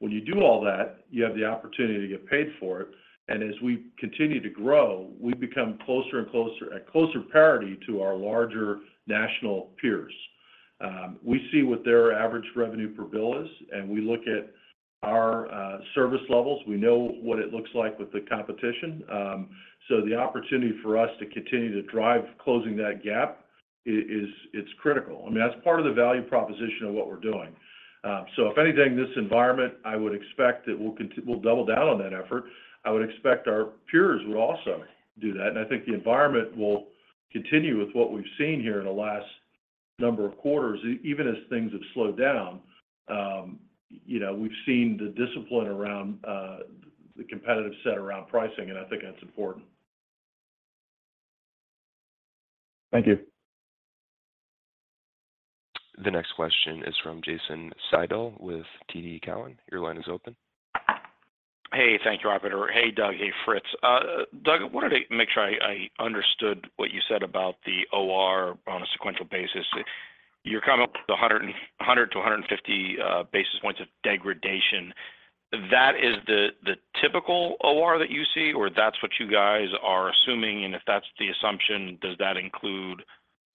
When you do all that, you have the opportunity to get paid for it, and as we continue to grow, we become closer and closer, at closer parity to our larger national peers. We see what their average revenue per bill is, and we look at our service levels. We know what it looks like with the competition. The opportunity for us to continue to drive closing that gap, it is, it's critical. I mean, that's part of the value proposition of what we're doing. If anything, this environment, I would expect that we'll double down on that effort. I would expect our peers would also do that, and I think the environment will continue with what we've seen here in the last number of quarters. Even as things have slowed down, you know, we've seen the discipline around the competitive set around pricing, and I think that's important. Thank you. The next question is from Jason Seidl with TD Cowen. Your line is open. Hey, thank you, operator. Hey, Doug. Hey, Fritz. Doug, I wanted to make sure I understood what you said about the OR on a sequential basis. You're coming up with 100 to 150 basis points of degradation. That is the typical OR that you see, or that's what you guys are assuming? If that's the assumption, does that include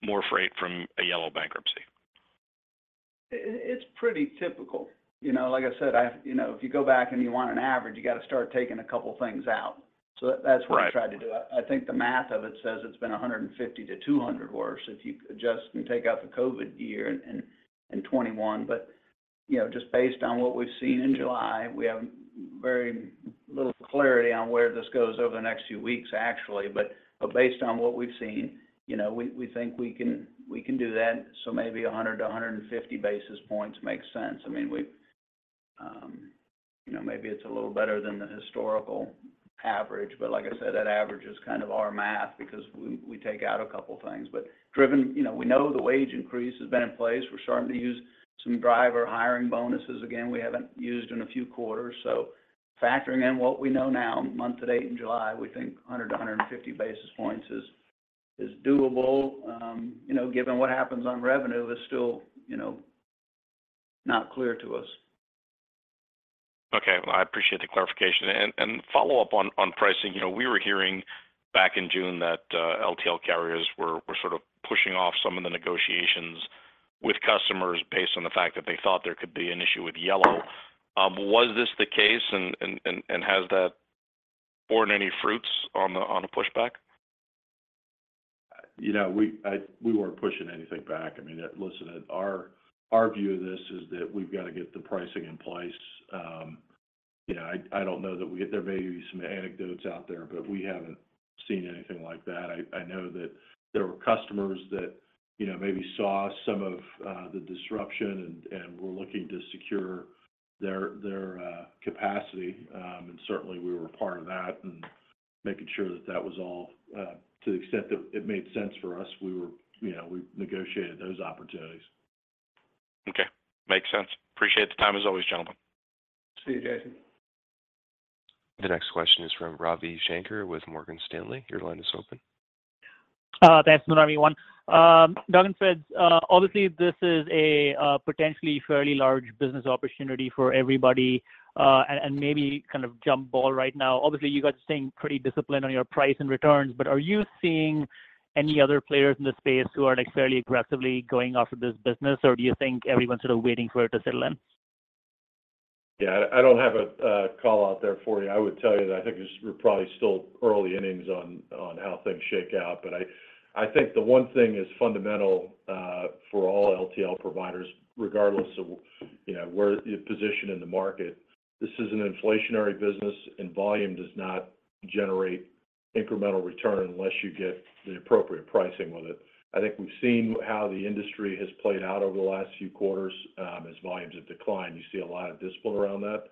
more freight from a Yellow bankruptcy? It, it's pretty typical. You know, like I said, I, you know, if you go back and you want an average, you got to start taking a couple things out. Right. That's what I tried to do. I think the math of it says it's been 150-200 worse, if you adjust and take out the COVID year and 2021. You know, just based on what we've seen in July, we have very little clarity on where this goes over the next few weeks, actually. Based on what we've seen, you know, we, we think we can, we can do that. So maybe 100-150 basis points make sense. I mean, we, you know, maybe it's a little better than the historical average, but like I said, that average is kind of our math because we, we take out a couple things. Driven- you know, we know the wage increase has been in place. We're starting to use some driver hiring bonuses again, we haven't used in a few quarters. Factoring in what we know now, month to date in July, we think 100 to 150 basis points is, is doable. You know, given what happens on revenue is still, you know, not clear to us. Okay. I appreciate the clarification. And follow up on, on pricing, you know, we were hearing back in June that LTL carriers were, were sort of pushing off some of the negotiations with customers based on the fact that they thought there could be an issue with Yellow. Was this the case, and, and, and, and has that borne any fruits on the, on a pushback? You know, we, I, we weren't pushing anything back. I mean, listen, our, our view of this is that we've got to get the pricing in place. You know, I, I don't know that there may be some anecdotes out there, we haven't seen anything like that. I, I know that there were customers that, you know, maybe saw some of the disruption and were looking to secure their capacity. Certainly, we were a part of that, and making sure that that was all, to the extent that it made sense for us, we were, you know, we negotiated those opportunities. Okay. Makes sense. Appreciate the time as always, gentlemen. See you, Jason. The next question is from Ravi Shanker with Morgan Stanley. Your line is open. Thanks. Good morning, everyone. Doug and Fritz, obviously, this is a potentially fairly large business opportunity for everybody, and maybe kind of jump ball right now. Obviously, you guys are staying pretty disciplined on your price and returns, but are you seeing any other players in the space who are, like, fairly aggressively going after this business, or do you think everyone's sort of waiting for it to settle in? Yeah, I don't have a, a call out there for you. I would tell you that I think it's, we're probably still early innings on, on how things shake out. I, I think the one thing is fundamental for all LTL providers, regardless of, you know, where your position in the market. This is an inflationary business, and volume does not generate incremental return unless you get the appropriate pricing with it. I think we've seen how the industry has played out over the last few quarters as volumes have declined. You see a lot of discipline around that,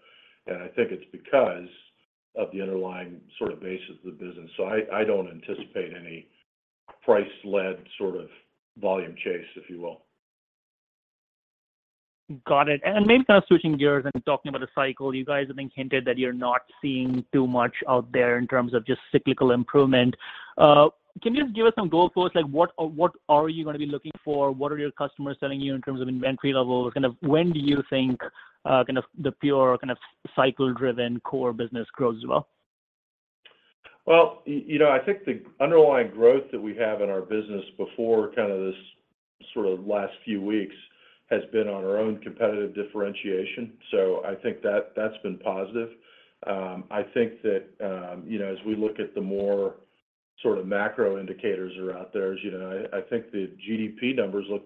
and I think it's because of the underlying sort of basis of the business. I, I don't anticipate any price-led sort of volume chase, if you will. Got it. Maybe kind of switching gears and talking about the cycle, you guys have been hinted that you're not seeing too much out there in terms of just cyclical improvement. Can you just give us some goalposts, like what are, what are you going to be looking for? What are your customers telling you in terms of inventory levels? Kind of, when do you think, kind of the pure, kind of cycle-driven core business grows as well? Well, you know, I think the underlying growth that we have in our business before kind of this sort of last few weeks, has been on our own competitive differentiation. I think that's been positive. I think that, you know, as we look at the more sort of macro indicators are out there, as you know, I, I think the GDP numbers look,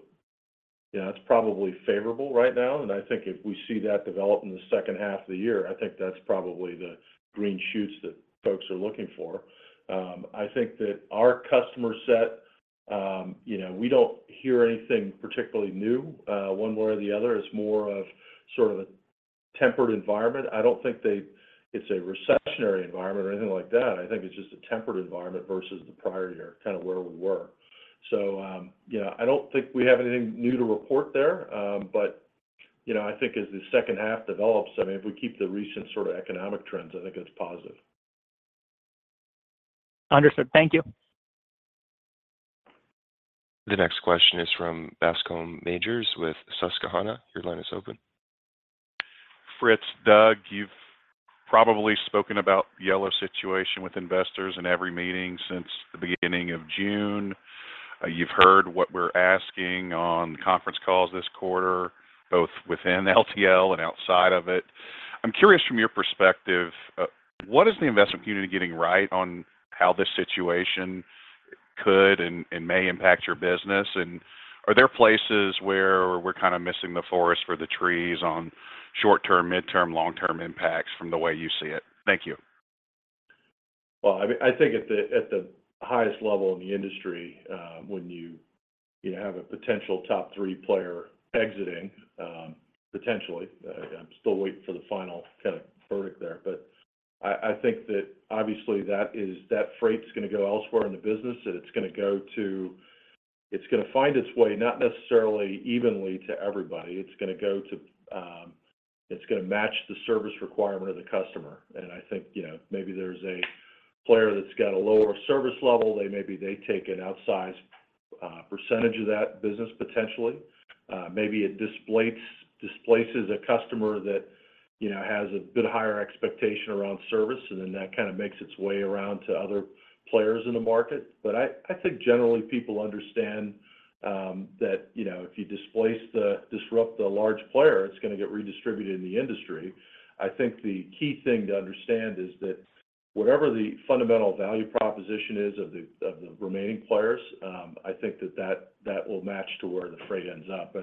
you know, it's probably favorable right now, and I think if we see that develop in the second half of the year, I think that's probably the green shoots that folks are looking for. I think that our customer set, you know, we don't hear anything particularly new, one way or the other. It's more of sort of a tempered environment. I don't think it's a recessionary environment or anything like that. I think it's just a tempered environment versus the prior year, kind of where we were. You know, I don't think we have anything new to report there. You know, I think as the second half develops, I mean, if we keep the recent sort of economic trends, I think it's positive. Understood. Thank you. The next question is from Bascome Majors with Susquehanna. Your line is open. Fritz, Doug, you've probably spoken about Yellow's situation with investors in every meeting since the beginning of June. You've heard what we're asking on conference calls this quarter, both within LTL and outside of it. I'm curious from your perspective, what is the investment community getting right on how this situation could and, and may impact your business? Are there places where we're kind of missing the forest for the trees on short-term, mid-term, long-term impacts from the way you see it? Thank you. Well, I mean, I think at the, at the highest level in the industry, when you, you have a potential top 3 player exiting, potentially, I'm still waiting for the final kind of verdict there. I think that obviously, that freight's gonna go elsewhere in the business, and it's gonna go to. It's gonna find its way, not necessarily evenly to everybody. It's gonna go to, it's gonna match the service requirement of the customer. I think, you know, maybe there's a player that's got a lower service level. They maybe they take an outsized percentage of that business, potentially. Maybe it displaces a customer that, you know, has a bit higher expectation around service, and then that kind of makes its way around to other players in the market. I, I think generally, people understand that, you know, if you disrupt the large player, it's gonna get redistributed in the industry. I think the key thing to understand is that whatever the fundamental value proposition is of the, of the remaining players, I think that, that, that will match to where the freight ends up.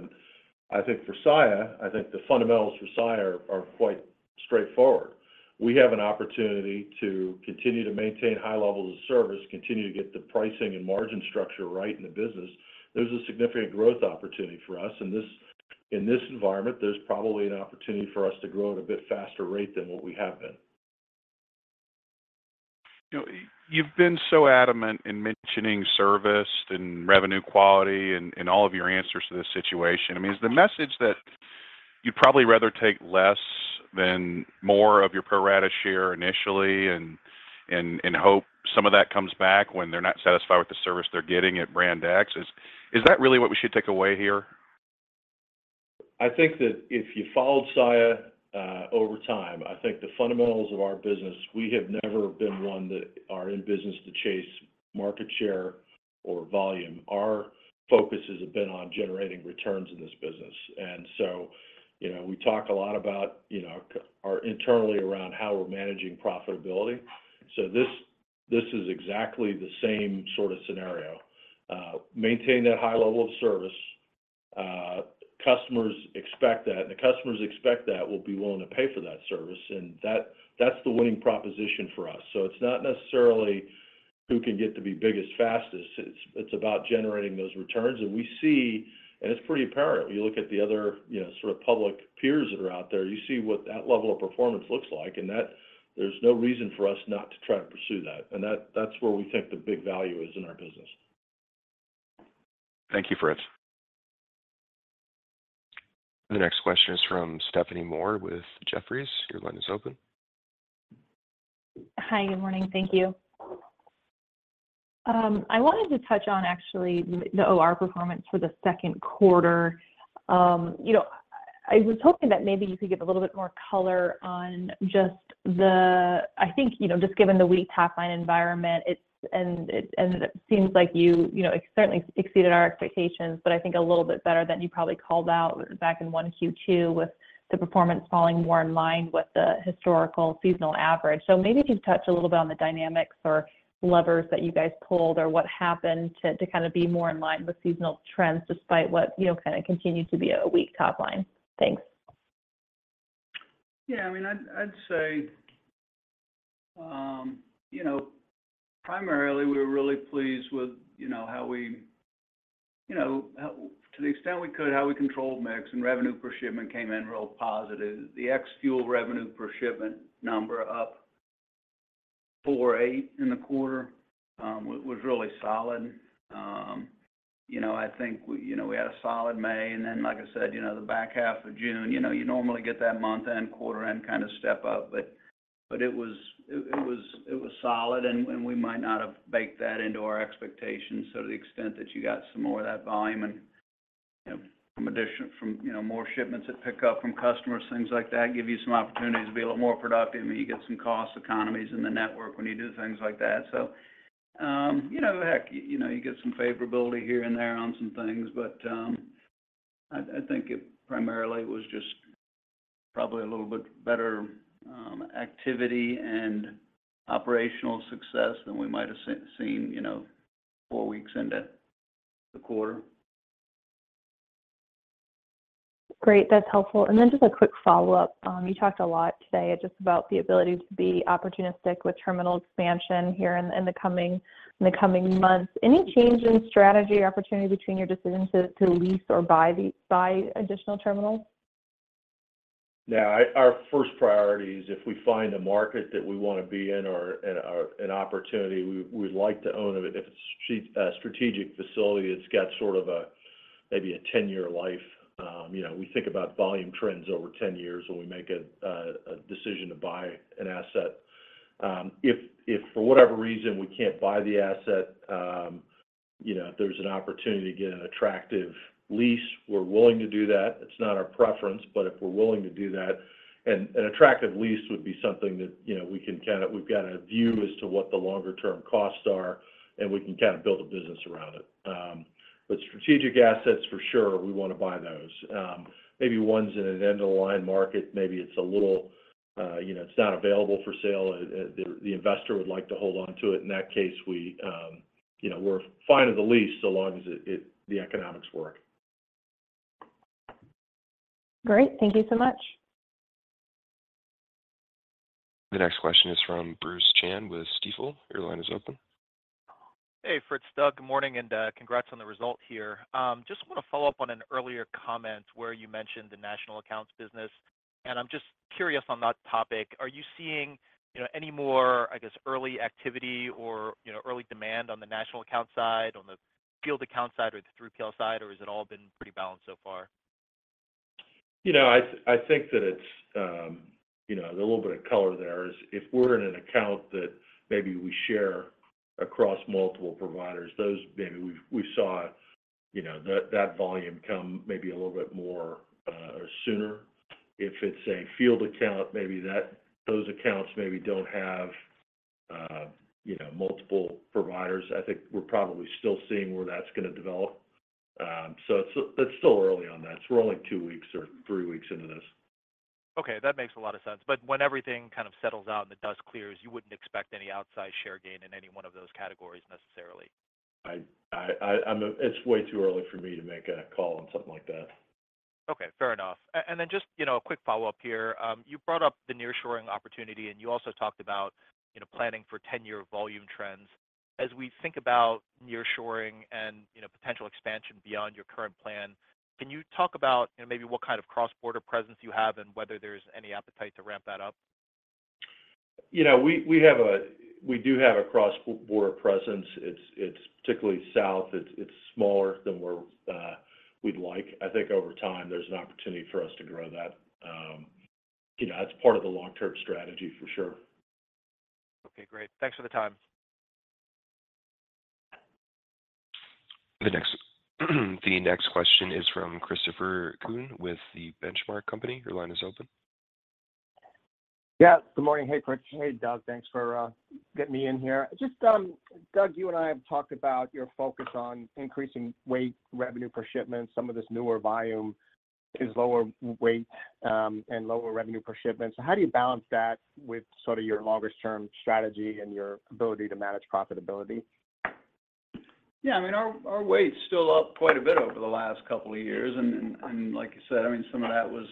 I think for Saia, I think the fundamentals for Saia are, are quite straightforward. We have an opportunity to continue to maintain high levels of service, continue to get the pricing and margin structure right in the business. There's a significant growth opportunity for us. In this, in this environment, there's probably an opportunity for us to grow at a bit faster rate than what we have been. You know, you've been so adamant in mentioning service and revenue quality in, in all of your answers to this situation. I mean, is the message that you'd probably rather take less than more of your pro rata share initially and, and, and hope some of that comes back when they're not satisfied with the service they're getting at brand X? Is, is that really what we should take away here? I think that if you followed Saia over time, I think the fundamentals of our business, we have never been one that are in business to chase market share or volume. Our focuses have been on generating returns in this business, and so, you know, we talk a lot about, you know, our internally around how we're managing profitability. So this, this is exactly the same sort of scenario. Maintain that high level of service. Customers expect that, and the customers expect that will be willing to pay for that service, and that, that's the winning proposition for us. So it's not necessarily who can get to be biggest, fastest. It's, it's about generating those returns. We see, and it's pretty apparent, when you look at the other, you know, sort of public peers that are out there, you see what that level of performance looks like, and that there's no reason for us not to try to pursue that. That, that's where we think the big value is in our business. Thank you, Fritz. The next question is from Stephanie Moore with Jefferies. Your line is open. Hi, good morning. Thank you. I wanted to touch on actually the, the OR performance for the Q2. you know, I was hoping that maybe you could give a little bit more color on just the, I think, you know, just given the weak top-line environment, it's, and it, and it seems like you, you know, it certainly exceeded our expectations, but I think a little bit better than you probably called out back in one Q2, with the performance falling more in line with the historical seasonal average. Maybe if you'd touch a little bit on the dynamics or levers that you guys pulled or what happened to, to kind of be more in line with seasonal trends, despite what, you know, kind of continued to be a weak top-line? Thanks. Yeah, I mean, I'd, I'd say, you know, primarily, we were really pleased with, you know, how we, you know, how, to the extent we could, how we controlled mix and revenue per shipment came in real positive. The ex-fuel revenue per shipment number up 4.8% in the quarter was really solid. You know, I think we, you know, we had a solid May, and then, like I said, you know, the back half of June, you know, you normally get that month-end, quarter-end kind of step up, but it was solid, and we might not have baked that into our expectations. To the extent that you got some more of that volume and, you know, from from, you know, more shipments at pickup from customers, things like that, give you some opportunities to be a little more productive, and you get some cost economies in the network when you do things like that. You know, heck, you know, you get some favorability here and there on some things, but, I, I think it primarily was just probably a little bit better, activity and operational success than we might have seen, you know, 4 weeks into the quarter. Great, that's helpful. Then just a quick follow-up. You talked a lot today just about the ability to be opportunistic with terminal expansion here in, in the coming, in the coming months. Any change in strategy or opportunity between your decision to, to lease or buy the- buy additional terminals? Yeah, our, our first priority is if we find a market that we want to be in or, and an opportunity, we, we'd like to own it. If it's strategic, a strategic facility, it's got sort of a, maybe a 10-year life. You know, we think about volume trends over 10 years when we make a decision to buy an asset. If, if for whatever reason we can't buy the asset, you know, if there's an opportunity to get an attractive lease, we're willing to do that. It's not our preference, but if we're willing to do that, and an attractive lease would be something that, you know, we can kind of- we've got a view as to what the longer term costs are, and we can kind of build a business around it. Strategic assets, for sure, we want to buy those. Maybe ones in an end-of-the-line market, maybe it's a little, you know, it's not available for sale, the, the investor would like to hold onto it. In that case, we, you know, we're fine with the lease so long as it, it-- the economics work. Great. Thank you so much. The next question is from Bruce Chan with Stifel. Your line is open. Hey, Fritz, Doug, good morning, and congrats on the result here. Just want to follow up on an earlier comment where you mentioned the national accounts business, and I'm just curious on that topic. Are you seeing, you know, any more, I guess, early activity or, you know, early demand on the national account side, on the field account side, or the 3PL side, or has it all been pretty balanced so far? You know, I, I think that it's, you know, a little bit of color there is, if we're in an account that maybe we share across multiple providers, those maybe we've, we saw, you know, that, that volume come maybe a little bit more, or sooner. If it's a field account, maybe that, those accounts maybe don't have, you know, multiple providers. I think we're probably still seeing where that's going to develop. It's, it's still early on that. We're only 2 weeks or 3 weeks into this. Okay, that makes a lot of sense. When everything kind of settles out and the dust clears, you wouldn't expect any outsized share gain in any one of those categories necessarily? It's way too early for me to make a call on something like that. Okay, fair enough. Then just, you know, a quick follow-up here. You brought up the nearshoring opportunity, and you also talked about, you know, planning for 10-year volume trends. As we think about nearshoring and, you know, potential expansion beyond your current plan, can you talk about, you know, maybe what kind of cross-border presence you have and whether there's any appetite to ramp that up? You know, we, we do have a cross-border presence. It's, it's particularly south. It's, it's smaller than we're we'd like. I think over time, there's an opportunity for us to grow that. You know, that's part of the long-term strategy for sure. Okay, great. Thanks for the time. The next question is from Christopher Kuhn with The Benchmark Company. Your line is open. Yeah. Good morning. Hey, Fritz. Hey, Doug. Thanks for getting me in here. Just, Doug, you and I have talked about your focus on increasing weight revenue per shipment. Some of this newer volume is lower weight and lower revenue per shipment. How do you balance that with sort of your longest term strategy and your ability to manage profitability? Yeah, I mean, our, our weight is still up quite a bit over the last couple of years, and, and, I mean, like you said, I mean, some of that was,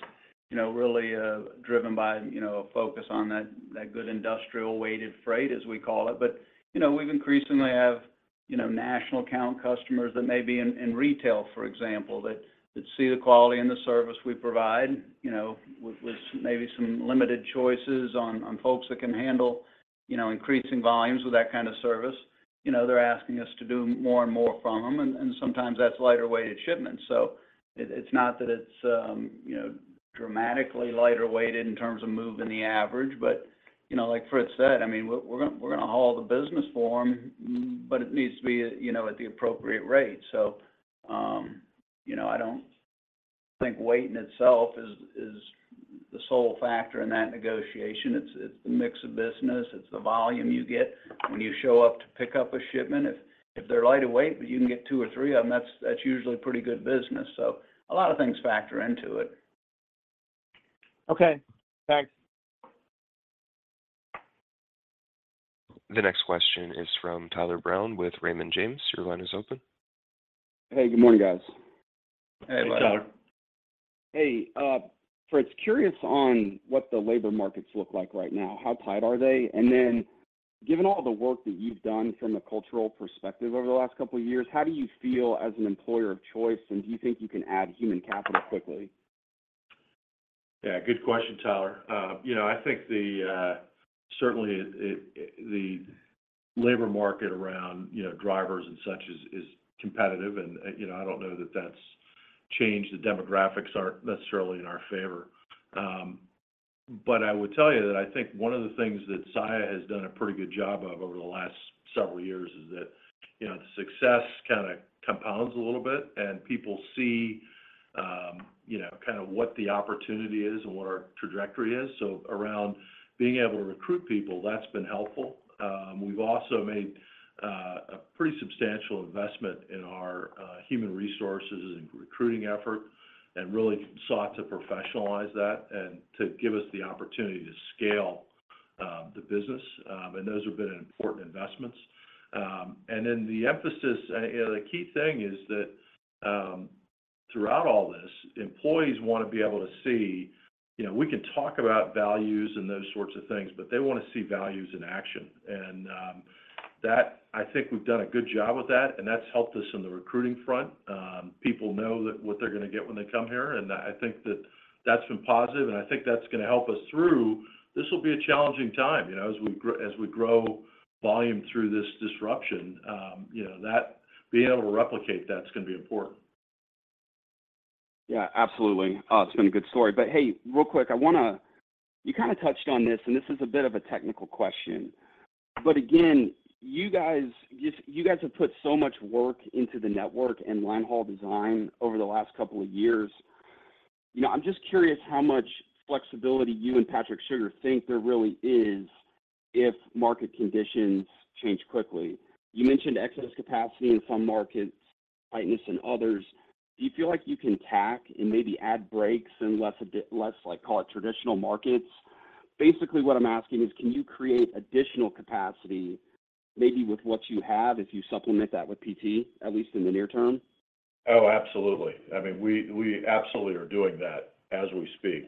you know, really driven by, you know, a focus on that, that good industrial weighted freight, as we call it. But, you know, we've increasingly have, you know, national account customers that may be in, in retail, for example, that, that see the quality and the service we provide, you know, with, with maybe some limited choices on, on folks that can handle, you know, increasing volumes with that kind of service. You know, they're asking us to do more and more from them, and, and sometimes that's lighter weighted shipments. It's not that it's, you know, dramatically lighter weighted in terms of moving the average, but, you know, like Fritz said, I mean, we're, we're going to haul the business for them, but it needs to be, you know, at the appropriate rate. You know, I don't think weight in itself is, is the sole factor in that negotiation. It's, it's the mix of business, it's the volume you get when you show up to pick up a shipment. If, if they're lighter weight, but you can get 2 or 3 of them, that's, that's usually pretty good business. A lot of things factor into it. Okay. Thanks. The next question is from Tyler Brown with Raymond James. Your line is open. Hey, good morning, guys. Hey, Tyler. Hey, Tyler. Hey, Fritz, curious on what the labor markets look like right now, how tight are they? Given all the work that you've done from a cultural perspective over the last couple of years, how do you feel as an employer of choice, and do you think you can add human capital quickly? Yeah, good question, Tyler. You know, I think the, certainly, the labor market around, you know, drivers and such is, is competitive, and, you know, I don't know that that's changed. The demographics aren't necessarily in our favor. I would tell you that I think one of the things that Saia has done a pretty good job of over the last several years is that, you know, the success kind of compounds a little bit, and people see, you know, kind of what the opportunity is and what our trajectory is. Around being able to recruit people, that's been helpful. We've also made a pretty substantial investment in our human resources and recruiting effort, and really sought to professionalize that and to give us the opportunity to scale the business. Those have been important investments. The emphasis, you know, the key thing is that, throughout all this, employees want to be able to see- you know, we can talk about values and those sorts of things, but they want to see values in action. That, I think we've done a good job with that, and that's helped us in the recruiting front. People know that what they're going to get when they come here, and I think that that's been positive, and I think that's going to help us through. This will be a challenging time, you know, as we grow, as we grow volume through this disruption. You know, that, being able to replicate that is going to be important. Yeah, absolutely. It's been a good story. Hey, real quick, I wanna- you kinda touched on this, and this is a bit of a technical question, but again, you guys, just you guys have put so much work into the network and linehaul design over the last couple of years. You know, I'm just curious how much flexibility you and Patrick Sugar think there really is if market conditions change quickly. You mentioned excess capacity in some markets, tightness in others. Do you feel like you can tack and maybe add breaks in less less, like, call it traditional markets? Basically, what I'm asking is, can you create additional capacity maybe with what you have if you supplement that with PT, at least in the near term? Oh, absolutely. I mean, we, we absolutely are doing that as we speak.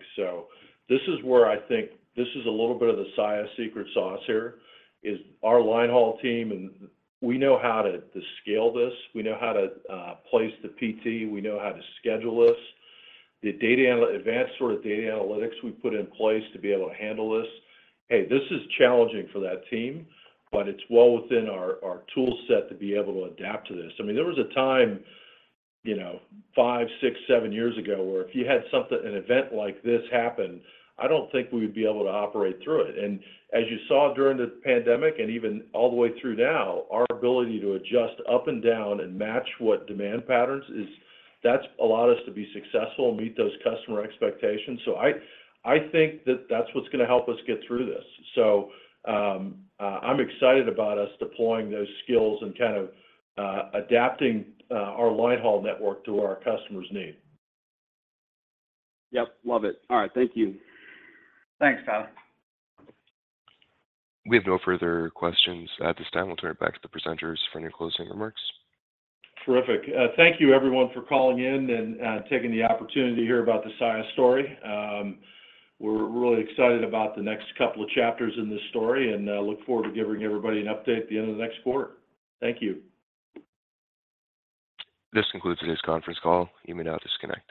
This is where I think this is a little bit of the Saia secret sauce here, is our linehaul team, and we know how to scale this. We know how to place the PT. We know how to schedule this. The data advanced sort of data analytics we've put in place to be able to handle this, hey, this is challenging for that team, but it's well within our tool set to be able to adapt to this. I mean, there was a time, you know, five, six, seven years ago, where if you had something, an event like this happen, I don't think we would be able to operate through it. As you saw during the pandemic, and even all the way through now, our ability to adjust up and down and match what demand patterns is. That's allowed us to be successful and meet those customer expectations. I, I think that that's what's gonna help us get through this. I'm excited about us deploying those skills and kind of adapting our linehaul network to what our customers need. Yep, love it. All right, thank you. Thanks, Tyler. We have no further questions at this time. We'll turn it back to the presenters for any closing remarks. Terrific. Thank you everyone for calling in and taking the opportunity to hear about the Saia story. We're really excited about the next couple of chapters in this story, and look forward to giving everybody an update at the end of the next quarter. Thank you. This concludes today's conference call. You may now disconnect.